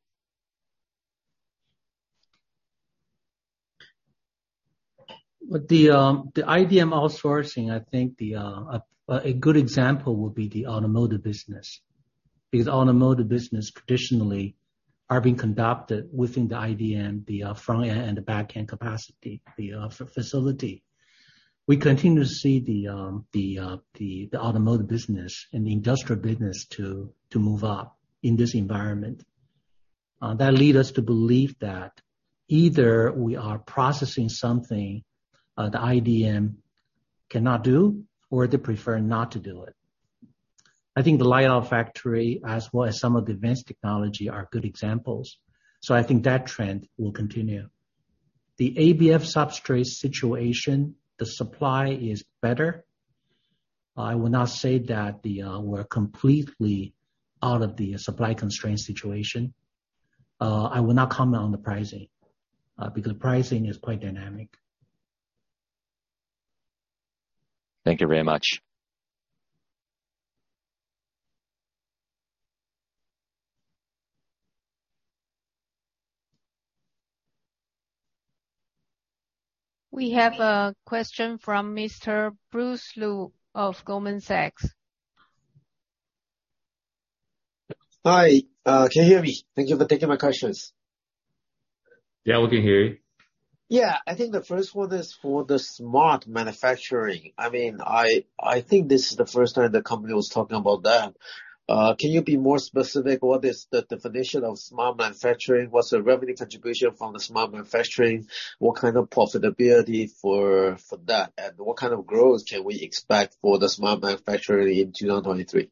The IDM outsourcing, I think the a good example would be the automotive business. Because automotive business traditionally are being conducted within the IDM, the front-end and the back-end capacity, the facility. We continue to see the automotive business and the industrial business to move up in this environment. That lead us to believe that either we are processing something, the IDM cannot do or they prefer not to do it. I think the lights-out factory as well as some of the advanced technology are good examples. I think that trend will continue. The ABF Substrate situation, the supply is better. I will not say that we're completely out of the supply constraint situation. I will not comment on the pricing because pricing is quite dynamic. Thank you very much. We have a question from Mr. Bruce Lu of Goldman Sachs. Hi. Can you hear me? Thank you for taking my questions. Yeah, we can hear you. Yeah. I think the first one is for the Smart Manufacturing. I mean, I think this is the first time the company was talking about that. Can you be more specific, what is the definition of Smart Manufacturing? What's the revenue contribution from the Smart Manufacturing? What kind of profitability for that? What kind of growth can we expect for the Smart Manufacturing in 2023?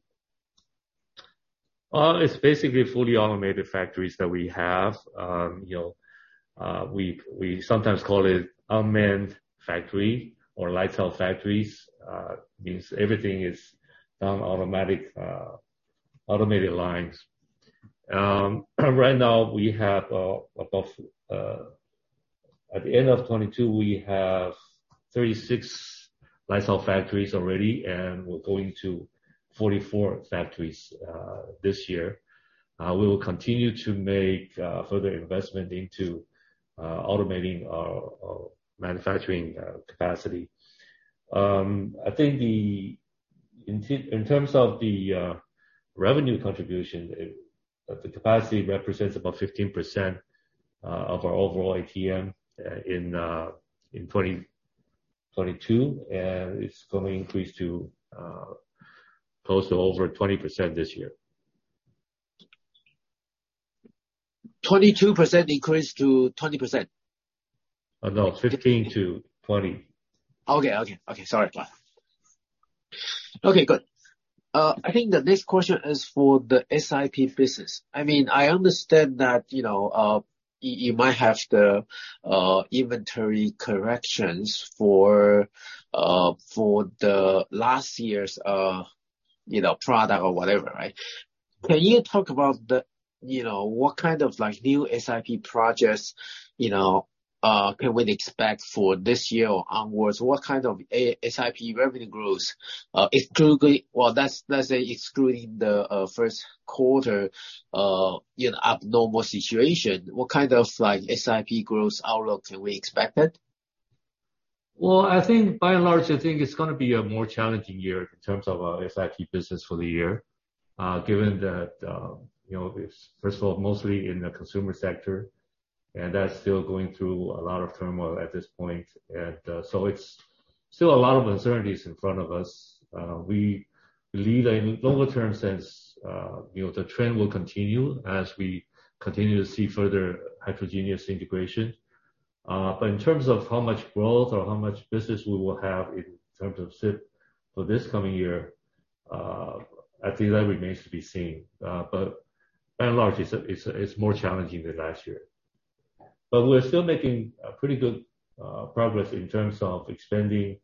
It's basically fully automated factories that we have. You know, we sometimes call it unmanned factory or Lights-Out Factories. Means everything is done automated lines. At the end of 2022, we have 36 Lights-Out Factories already, and we're going to 44 factories this year. We will continue to make further investment into automating our manufacturing capacity. In terms of the revenue contribution, the capacity represents about 15% of our overall ATM in 2022, and it's going to increase to close to over 20% this year. 22% increase to 20%? No, 15 to 20. Okay. Okay. Okay, sorry. Okay, good. I think the next question is for the SIP business. I mean, I understand that, you know, you might have the inventory corrections for for the last year's, you know, product or whatever, right? Can you talk about the, you know, what kind of like new SIP projects, you know, can we expect for this year onwards? What kind of a SIP revenue growth, excluding... Well, let's say excluding the first quarter, you know, abnormal situation, what kind of like SIP growth outlook can we expected? Well, I think by and large, it's going to be a more challenging year in terms of our SIP business for the year, given that, you know, first of all, mostly in the consumer sector, and that's still going through a lot of turmoil at this point. It's still a lot of uncertainties in front of us. We believe in longer term sense, you know, the trend will continue as we continue to see further heterogeneous integration. In terms of how much growth or how much business we will have in terms of SIP for this coming year, I think that remains to be seen. By and large, it's more challenging than last year. We're still making pretty good progress in terms of expanding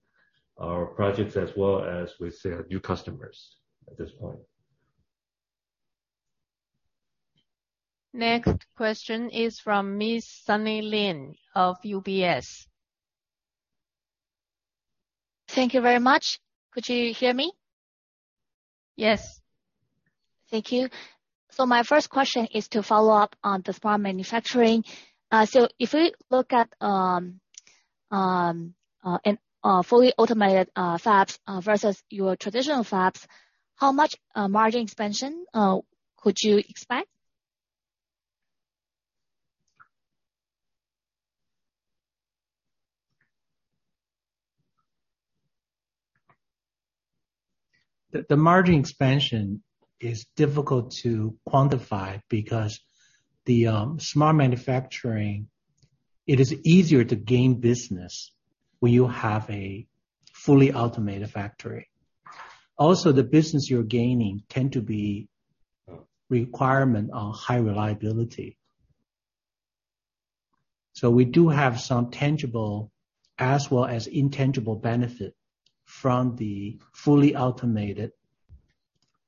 our projects as well as with new customers at this point. Next question is from Miss Sunny Lin of UBS. Thank you very much. Could you hear me? Yes. Thank you. My first question is to follow up on the Smart Manufacturing. If we look at, and, fully automated, fabs, versus your traditional fabs, how much, margin expansion, could you expect? The margin expansion is difficult to quantify because the Smart Manufacturing, it is easier to gain business when you have a fully automated factory. Also, the business you're gaining tend to be requirement of high reliability. We do have some tangible as well as intangible benefit from the fully automated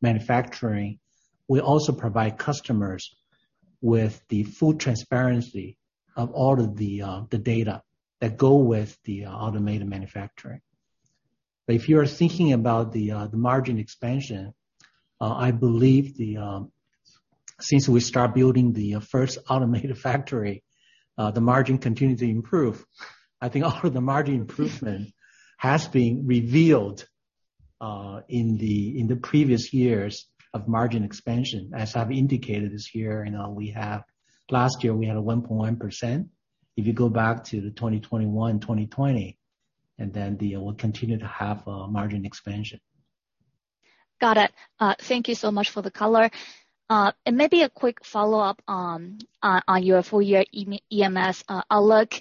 manufacturing. We also provide customers with the full transparency of all of the data that go with the automated manufacturing. If you are thinking about the margin expansion, I believe the since we start building the first automated factory, the margin continued to improve. I think all of the margin improvement has been revealed in the previous years of margin expansion. As I've indicated this year, you know, last year, we had a 1.1%. If you go back to the 2021, 2020, and then we'll continue to have a margin expansion. Got it. Thank you so much for the color. Maybe a quick follow-up on your full year EMS outlook.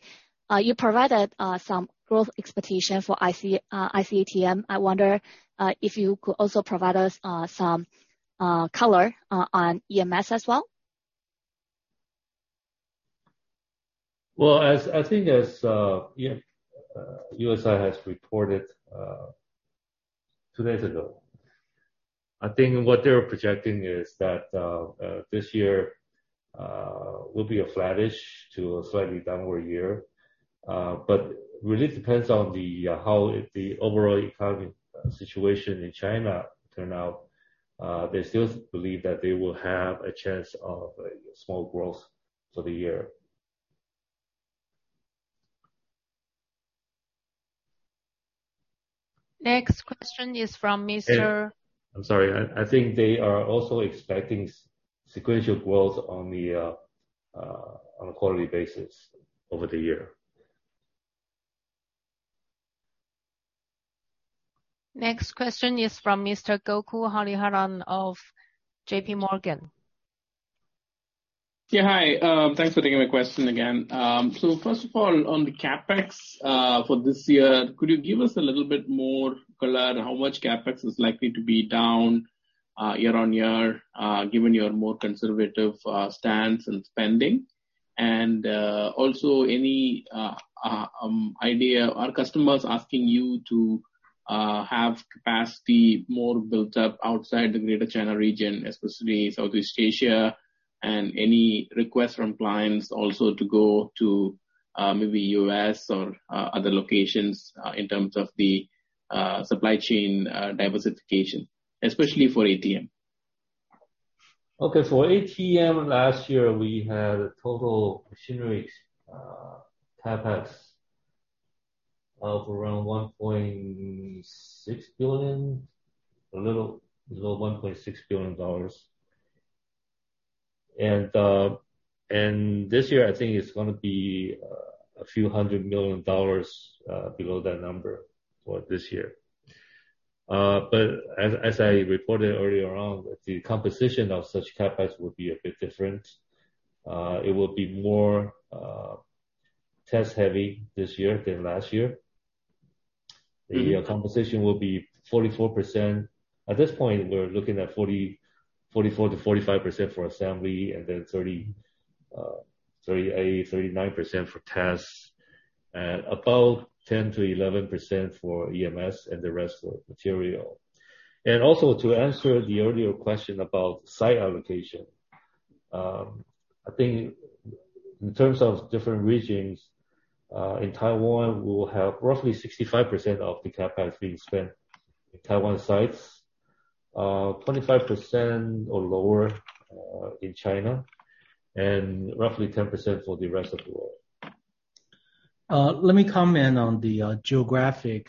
You provided some growth expectation for IC ATM. I wonder if you could also provide us some color on EMS as well. Well, as I think as UBS has reported two days ago. I think what they're projecting is that this year will be a flattish to a slightly downward year. Really it depends on the how the overall economic situation in China turn out. They still believe that they will have a chance of small growth for the year. Next question is from Mr. I'm sorry. I think they are also expecting sequential growth on a quarterly basis over the year. Next question is from Mr. Gokul Hariharan of JPMorgan. Yeah, hi. Thanks for taking my question again. First of all, on the CapEx for this year, could you give us a little bit more color how much CapEx is likely to be down year-over-year, given your more conservative stance in spending? Also any idea are customers asking you to have capacity more built up outside the Greater China region, especially Southeast Asia, and any request from clients also to go to maybe US or other locations in terms of the supply chain diversification, especially for ATM? Okay. For ATM last year, we had a total machinery, CapEx of around $1.6 billion, a little below $1.6 billion. This year, I think it's gonna be a few hundred million dollars, below that number for this year. As I reported earlier on, the composition of such CapEx will be a bit different. It will be more Test heavy this year than last year. The composition will be 44%. At this point, we're looking at 44-45% for assembly and then 38-39% for tests. About 10-11% for EMS and the rest for material. Also to answer the earlier question about site allocation, I think in terms of different regions, in Taiwan, we will have roughly 65% of the capacity spent in Taiwan sites, 25% or lower, in China, and roughly 10% for the rest of the world. Let me comment on the geographic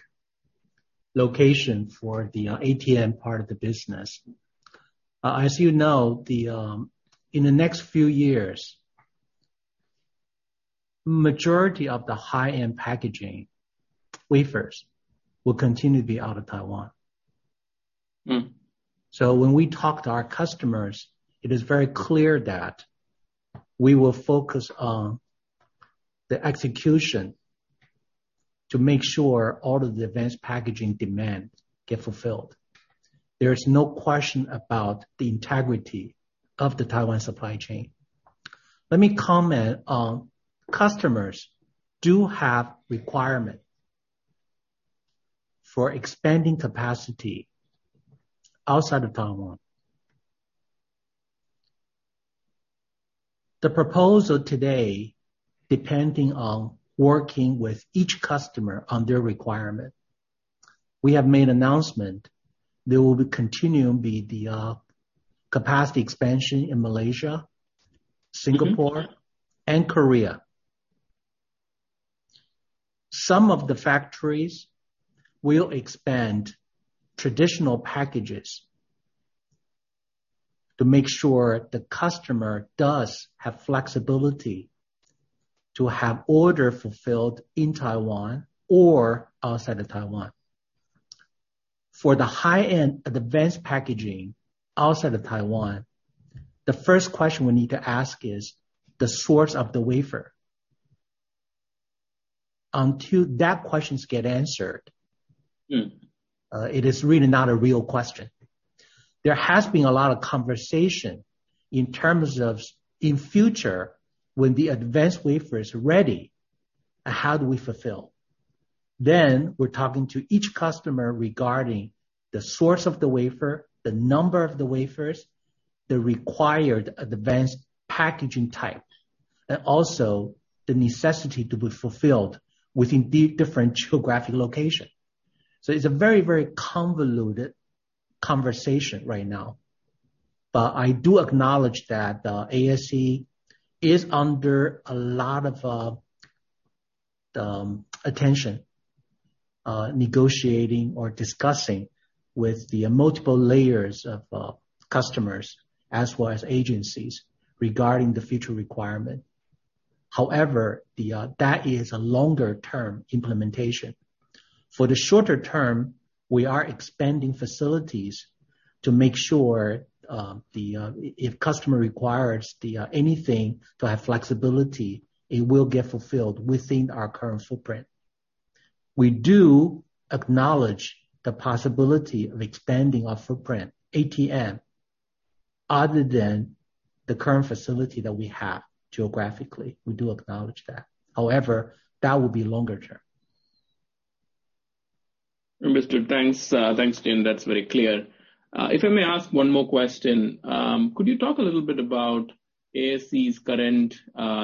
location for the ATM part of the business. As you know, the, in the next few years, majority of the high-end packaging wafers will continue to be out of Taiwan. Mm. When we talk to our customers, it is very clear that we will focus on the execution to make sure all of the advanced packaging demand get fulfilled. There is no question about the integrity of the Taiwan supply chain. Let me comment on customers do have requirement for expanding capacity outside of Taiwan. The proposal today, depending on working with each customer on their requirement, we have made announcement there will be continuing be the capacity expansion in Malaysia. Mm-hmm. Singapore and Korea. Some of the factories will expand traditional packages to make sure the customer does have flexibility to have order fulfilled in Taiwan or outside of Taiwan. For the high-end advanced packaging outside of Taiwan, the first question we need to ask is the source of the wafer. Until that questions get answered. Mm. It is really not a real question. There has been a lot of conversation in terms of in future, when the advanced wafer is ready, how do we fulfill? We're talking to each customer regarding the source of the wafer, the number of the wafers, the required advanced packaging types, and also the necessity to be fulfilled within the different geographic location. It's a very, very convoluted conversation right now. I do acknowledge that ASE is under a lot of attention, negotiating or discussing with the multiple layers of customers as well as agencies regarding the future requirement. That is a longer term implementation. For the shorter term, we are expanding facilities to make sure, if customer requires anything to have flexibility, it will get fulfilled within our current footprint. We do acknowledge the possibility of expanding our footprint, ATM, other than the current facility that we have geographically. We do acknowledge that. However, that will be longer term. Understood. Thanks. Thanks, Tien. That's very clear. If I may ask one more question, could you talk a little bit about ASE's current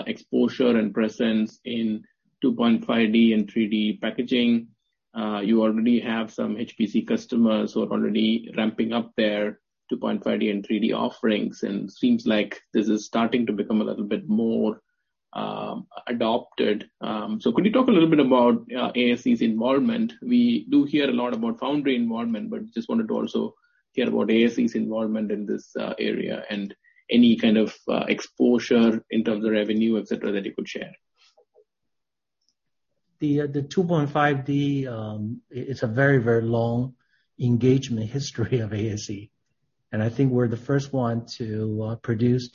exposure and presence in 2.5D and 3D packaging? You already have some HPC customers who are already ramping up their 2.5D and 3D offerings. Seems like this is starting to become a little bit more adopted. Could you talk a little bit about ASE's involvement? We do hear a lot about foundry involvement, but just wanted to also hear about ASE's involvement in this area and any kind of exposure in terms of revenue, et cetera, that you could share. The 2.5D, it's a very, very long engagement history of ASE. I think we're the first one to produce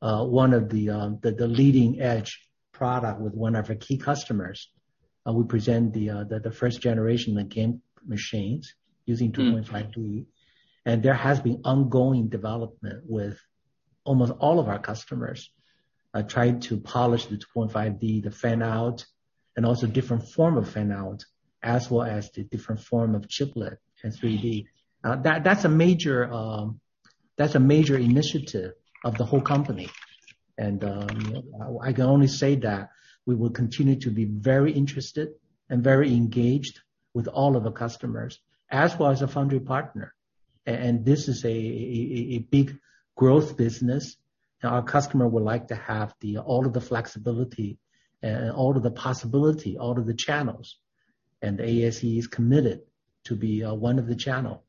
one of the leading edge product with one of our key customers. We present the first generation of game machines using 2.5D. There has been ongoing development with almost all of our customers, trying to polish the 2.5D, the fan-out, and also different form of fan-out, as well as the different form of chiplet in 3D. That's a major initiative of the whole company. I can only say that we will continue to be very interested and very engaged with all of the customers, as well as a foundry partner. This is a big growth business. Our customer would like to have all of the flexibility and all of the possibility, all of the channels. ASE is committed to be one of the channel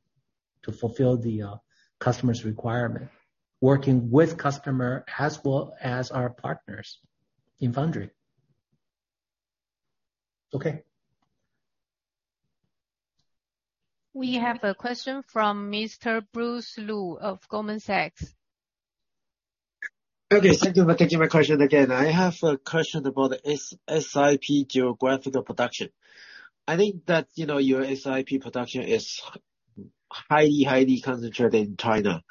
to fulfill customer's requirement, working with customer as well as our partners in Foundry. Okay. We have a question from Mr. Bruce Lu of Goldman Sachs. Thank you for taking my question again. I have a question about S, SiP geographical production. I think that, you know, your SIP production is highly concentrated in China.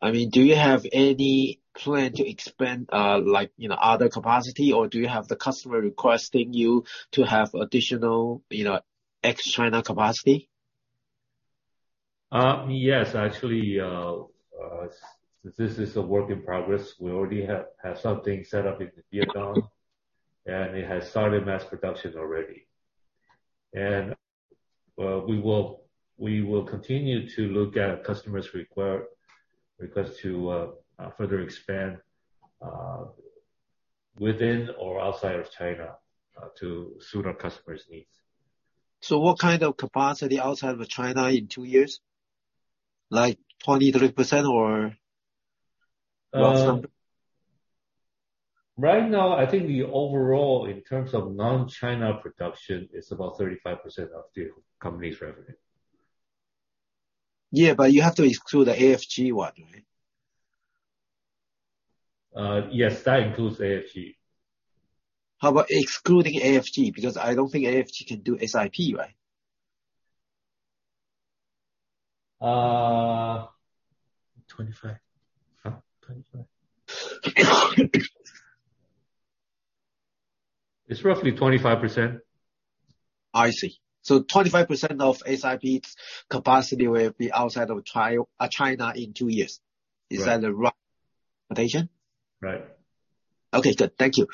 I mean, do you have any plan to expand, like, you know, other capacity? Or do you have the customer requesting you to have additional, you know, ex-China capacity? Yes. Actually, this is a work in progress. We already have something set up in Vietnam, and it has started mass production already. We will continue to look at customers' request to further expand within or outside of China to suit our customers' needs. What kind of capacity outside of China in two years, like 23% or less than? Right now, I think the overall, in terms of non-China production, is about 35% of the company's revenue. Yeah, you have to exclude the AFG one, right? Yes. That includes AFG. How about excluding AFG? Because I don't think AFG can do SIP, right? 25. It's roughly 25%. I see. 25% of SIP's capacity will be outside of China in two years. Right. Is that the right estimation? Right. Okay, good. Thank you.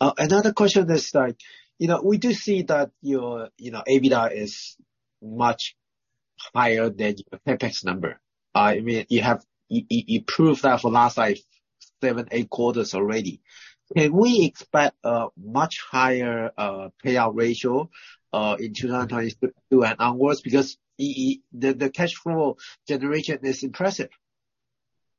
Another question is like, you know, we do see that your, you know, EBITDA is much higher than CapEx number. I mean, you have improved that for last, like, seven, eight quarters already. Can we expect a much higher payout ratio in 2022 and onwards? Because the cash flow generation is impressive.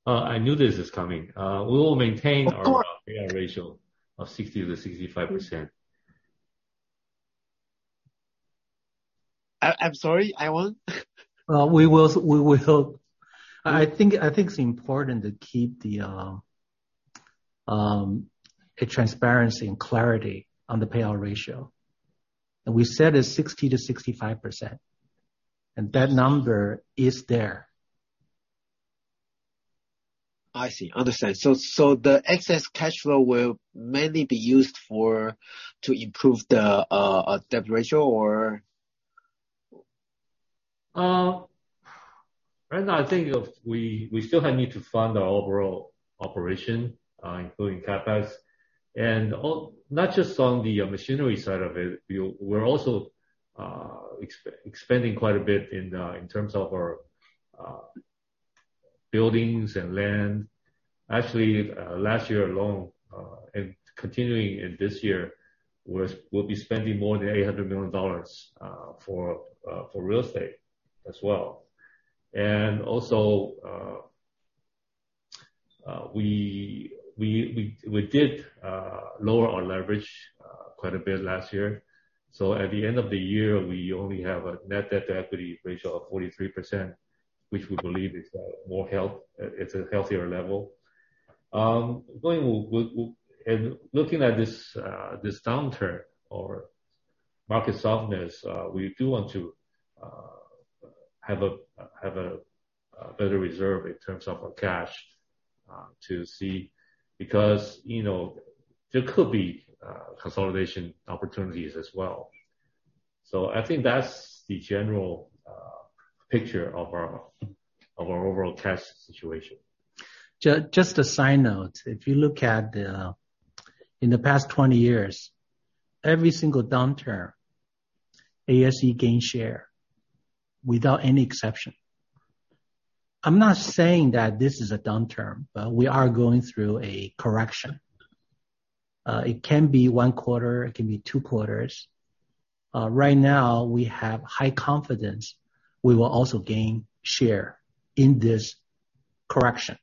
I knew this was coming. Of course. Our payout ratio of 60%-65%. I'm sorry, I won? We will... I think it's important to keep the transparency and clarity on the payout ratio. We said it's 60%-65%, and that number is there. I see. Understand. The excess cash flow will mainly be used for to improve the debt ratio or... Uh, right now I think of we, we still have need to fund our overall operation, uh, including CapEx. And al- not just on the, uh, machinery side of it, you know, we're also, uh, exp-expanding quite a bit in, uh, in terms of our, uh, buildings and land. Actually, uh, last year alone, uh, and continuing in this year, we're s- we'll be spending more than eight hundred million dollars, uh, for, uh, for real estate as well. And also, uh, uh, we, we, we, we did, uh, lower our leverage, uh, quite a bit last year. So at the end of the year, we only have a net debt to equity ratio of forty-three percent, which we believe is, uh, more health, uh, it's a healthier level. Going and looking at this downturn or market softness, we do want to have a better reserve in terms of our cash, to see. You know, there could be consolidation opportunities as well. I think that's the general picture of our overall cash situation. Just a side note. If you look at, in the past 20 years, every single downturn, ASE gained share without any exception. I'm not saying that this is a downturn, we are going through a correction. It can be one quarter, it can be two quarters. Right now, we have high confidence we will also gain share in this correction.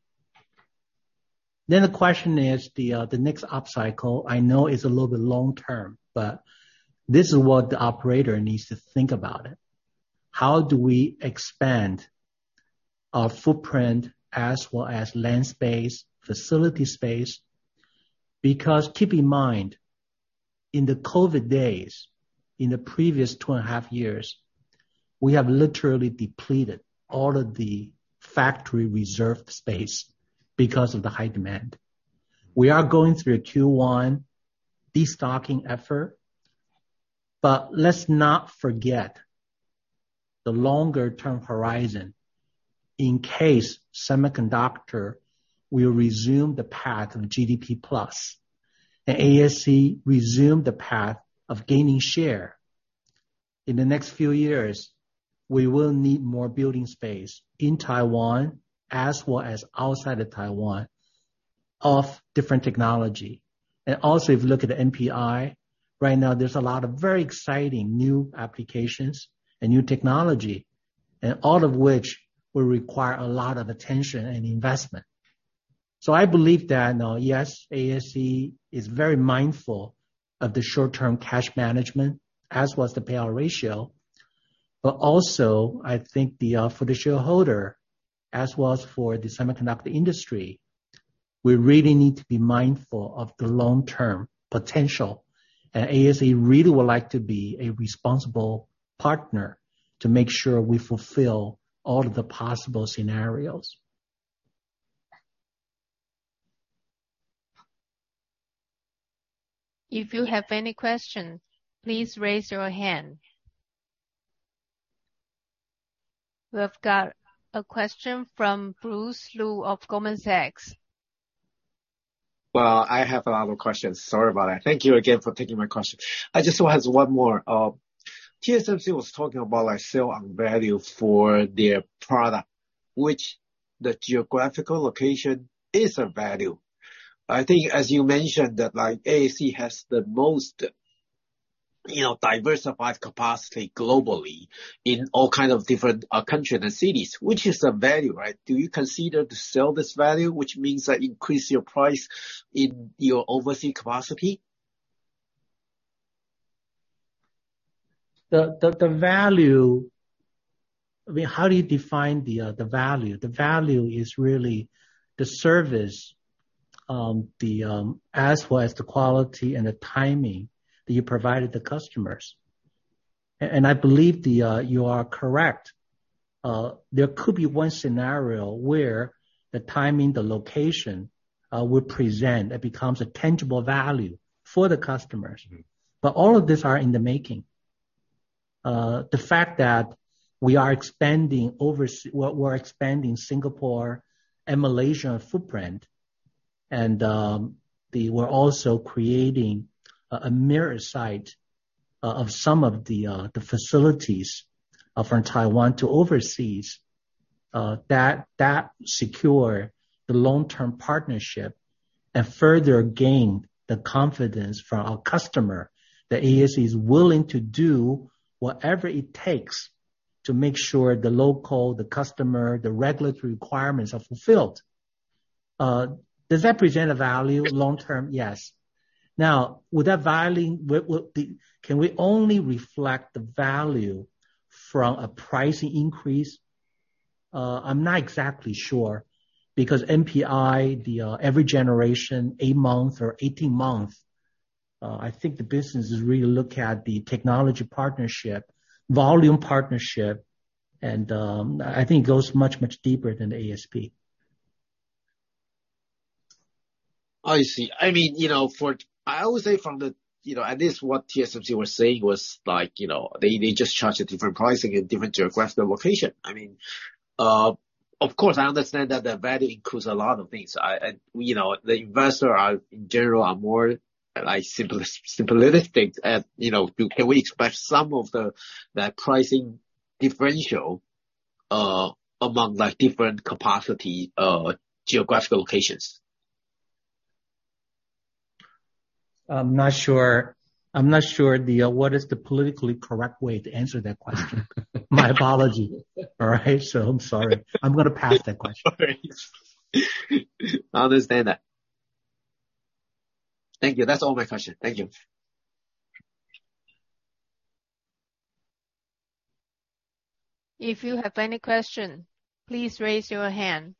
The question is the next upcycle, I know is a little bit long-term, this is what the operator needs to think about it. How do we expand our footprint as well as land space, facility space? Keep in mind, in the COVID days, in the previous two and a half years, we have literally depleted all of the factory reserved space because of the high demand. We are going through a Q1 de-stocking effort. Let's not forget the longer-term horizon in case semiconductor will resume the path of GDP+, and ASE resume the path of gaining share. In the next few years, we will need more building space in Taiwan as well as outside of Taiwan of different technology. If you look at the NPI, right now there's a lot of very exciting new applications and new technology, and all of which will require a lot of attention and investment. I believe that, yes, ASE is very mindful of the short-term cash management, as was the payout ratio. I think the for the shareholder, as well as for the semiconductor industry, we really need to be mindful of the long-term potential. ASE really would like to be a responsible partner to make sure we fulfill all of the possible scenarios. If you have any questions, please raise your hand. We've got a question from Bruce Lu of Goldman Sachs. Well, I have a lot of questions. Sorry about that. Thank you again for taking my question. I just want to ask one more. TSMC was talking about like sell on value for their product, which the geographical location is a value. I think as you mentioned that like ASE has the most, you know, diversified capacity globally in all kind of different countries and cities, which is a value, right? Do you consider to sell this value, which means, like, increase your price in your overseas capacity? The value. I mean, how do you define the value? The value is really the service, as well as the quality and the timing that you provide the customers. I believe you are correct. There could be one scenario where the timing, the location, would present. It becomes a tangible value for the customers. Mm-hmm. All of these are in the making. The fact that we're expanding Singapore and Malaysia footprint and we're also creating a mirror site of some of the facilities from Taiwan to overseas that secure the long-term partnership and further gain the confidence from our customer that ASE is willing to do whatever it takes to make sure the local, the customer, the regulatory requirements are fulfilled. Does that present a value long-term? Yes. Would that value, can we only reflect the value from a pricing increase? I'm not exactly sure because NPI, the every generation, 8 month or 18 month, I think the business is really look at the technology partnership, volume partnership, and I think it goes much, much deeper than ASP. I see. I mean, you know, I would say from the, you know, at least what TSMC was saying was like, you know, they just charge a different pricing in different geographical location. I mean, of course I understand that the value includes a lot of things. You know, the investor are, in general, more like simplistic. You know, can we expect some of the pricing differential among like different capacity geographical locations? I'm not sure. I'm not sure what is the politically correct way to answer that question. My apology. All right. I'm sorry. I'm gonna pass that question. I understand that. Thank you. That's all my questions. Thank you. If you have any question, please raise your hand.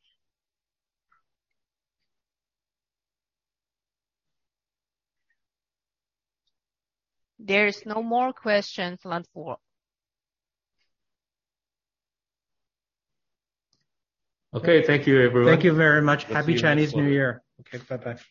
There is no more questions on the floor. Okay, thank you everyone. Thank you very much. Happy Chinese New Year. Okay, bye-bye.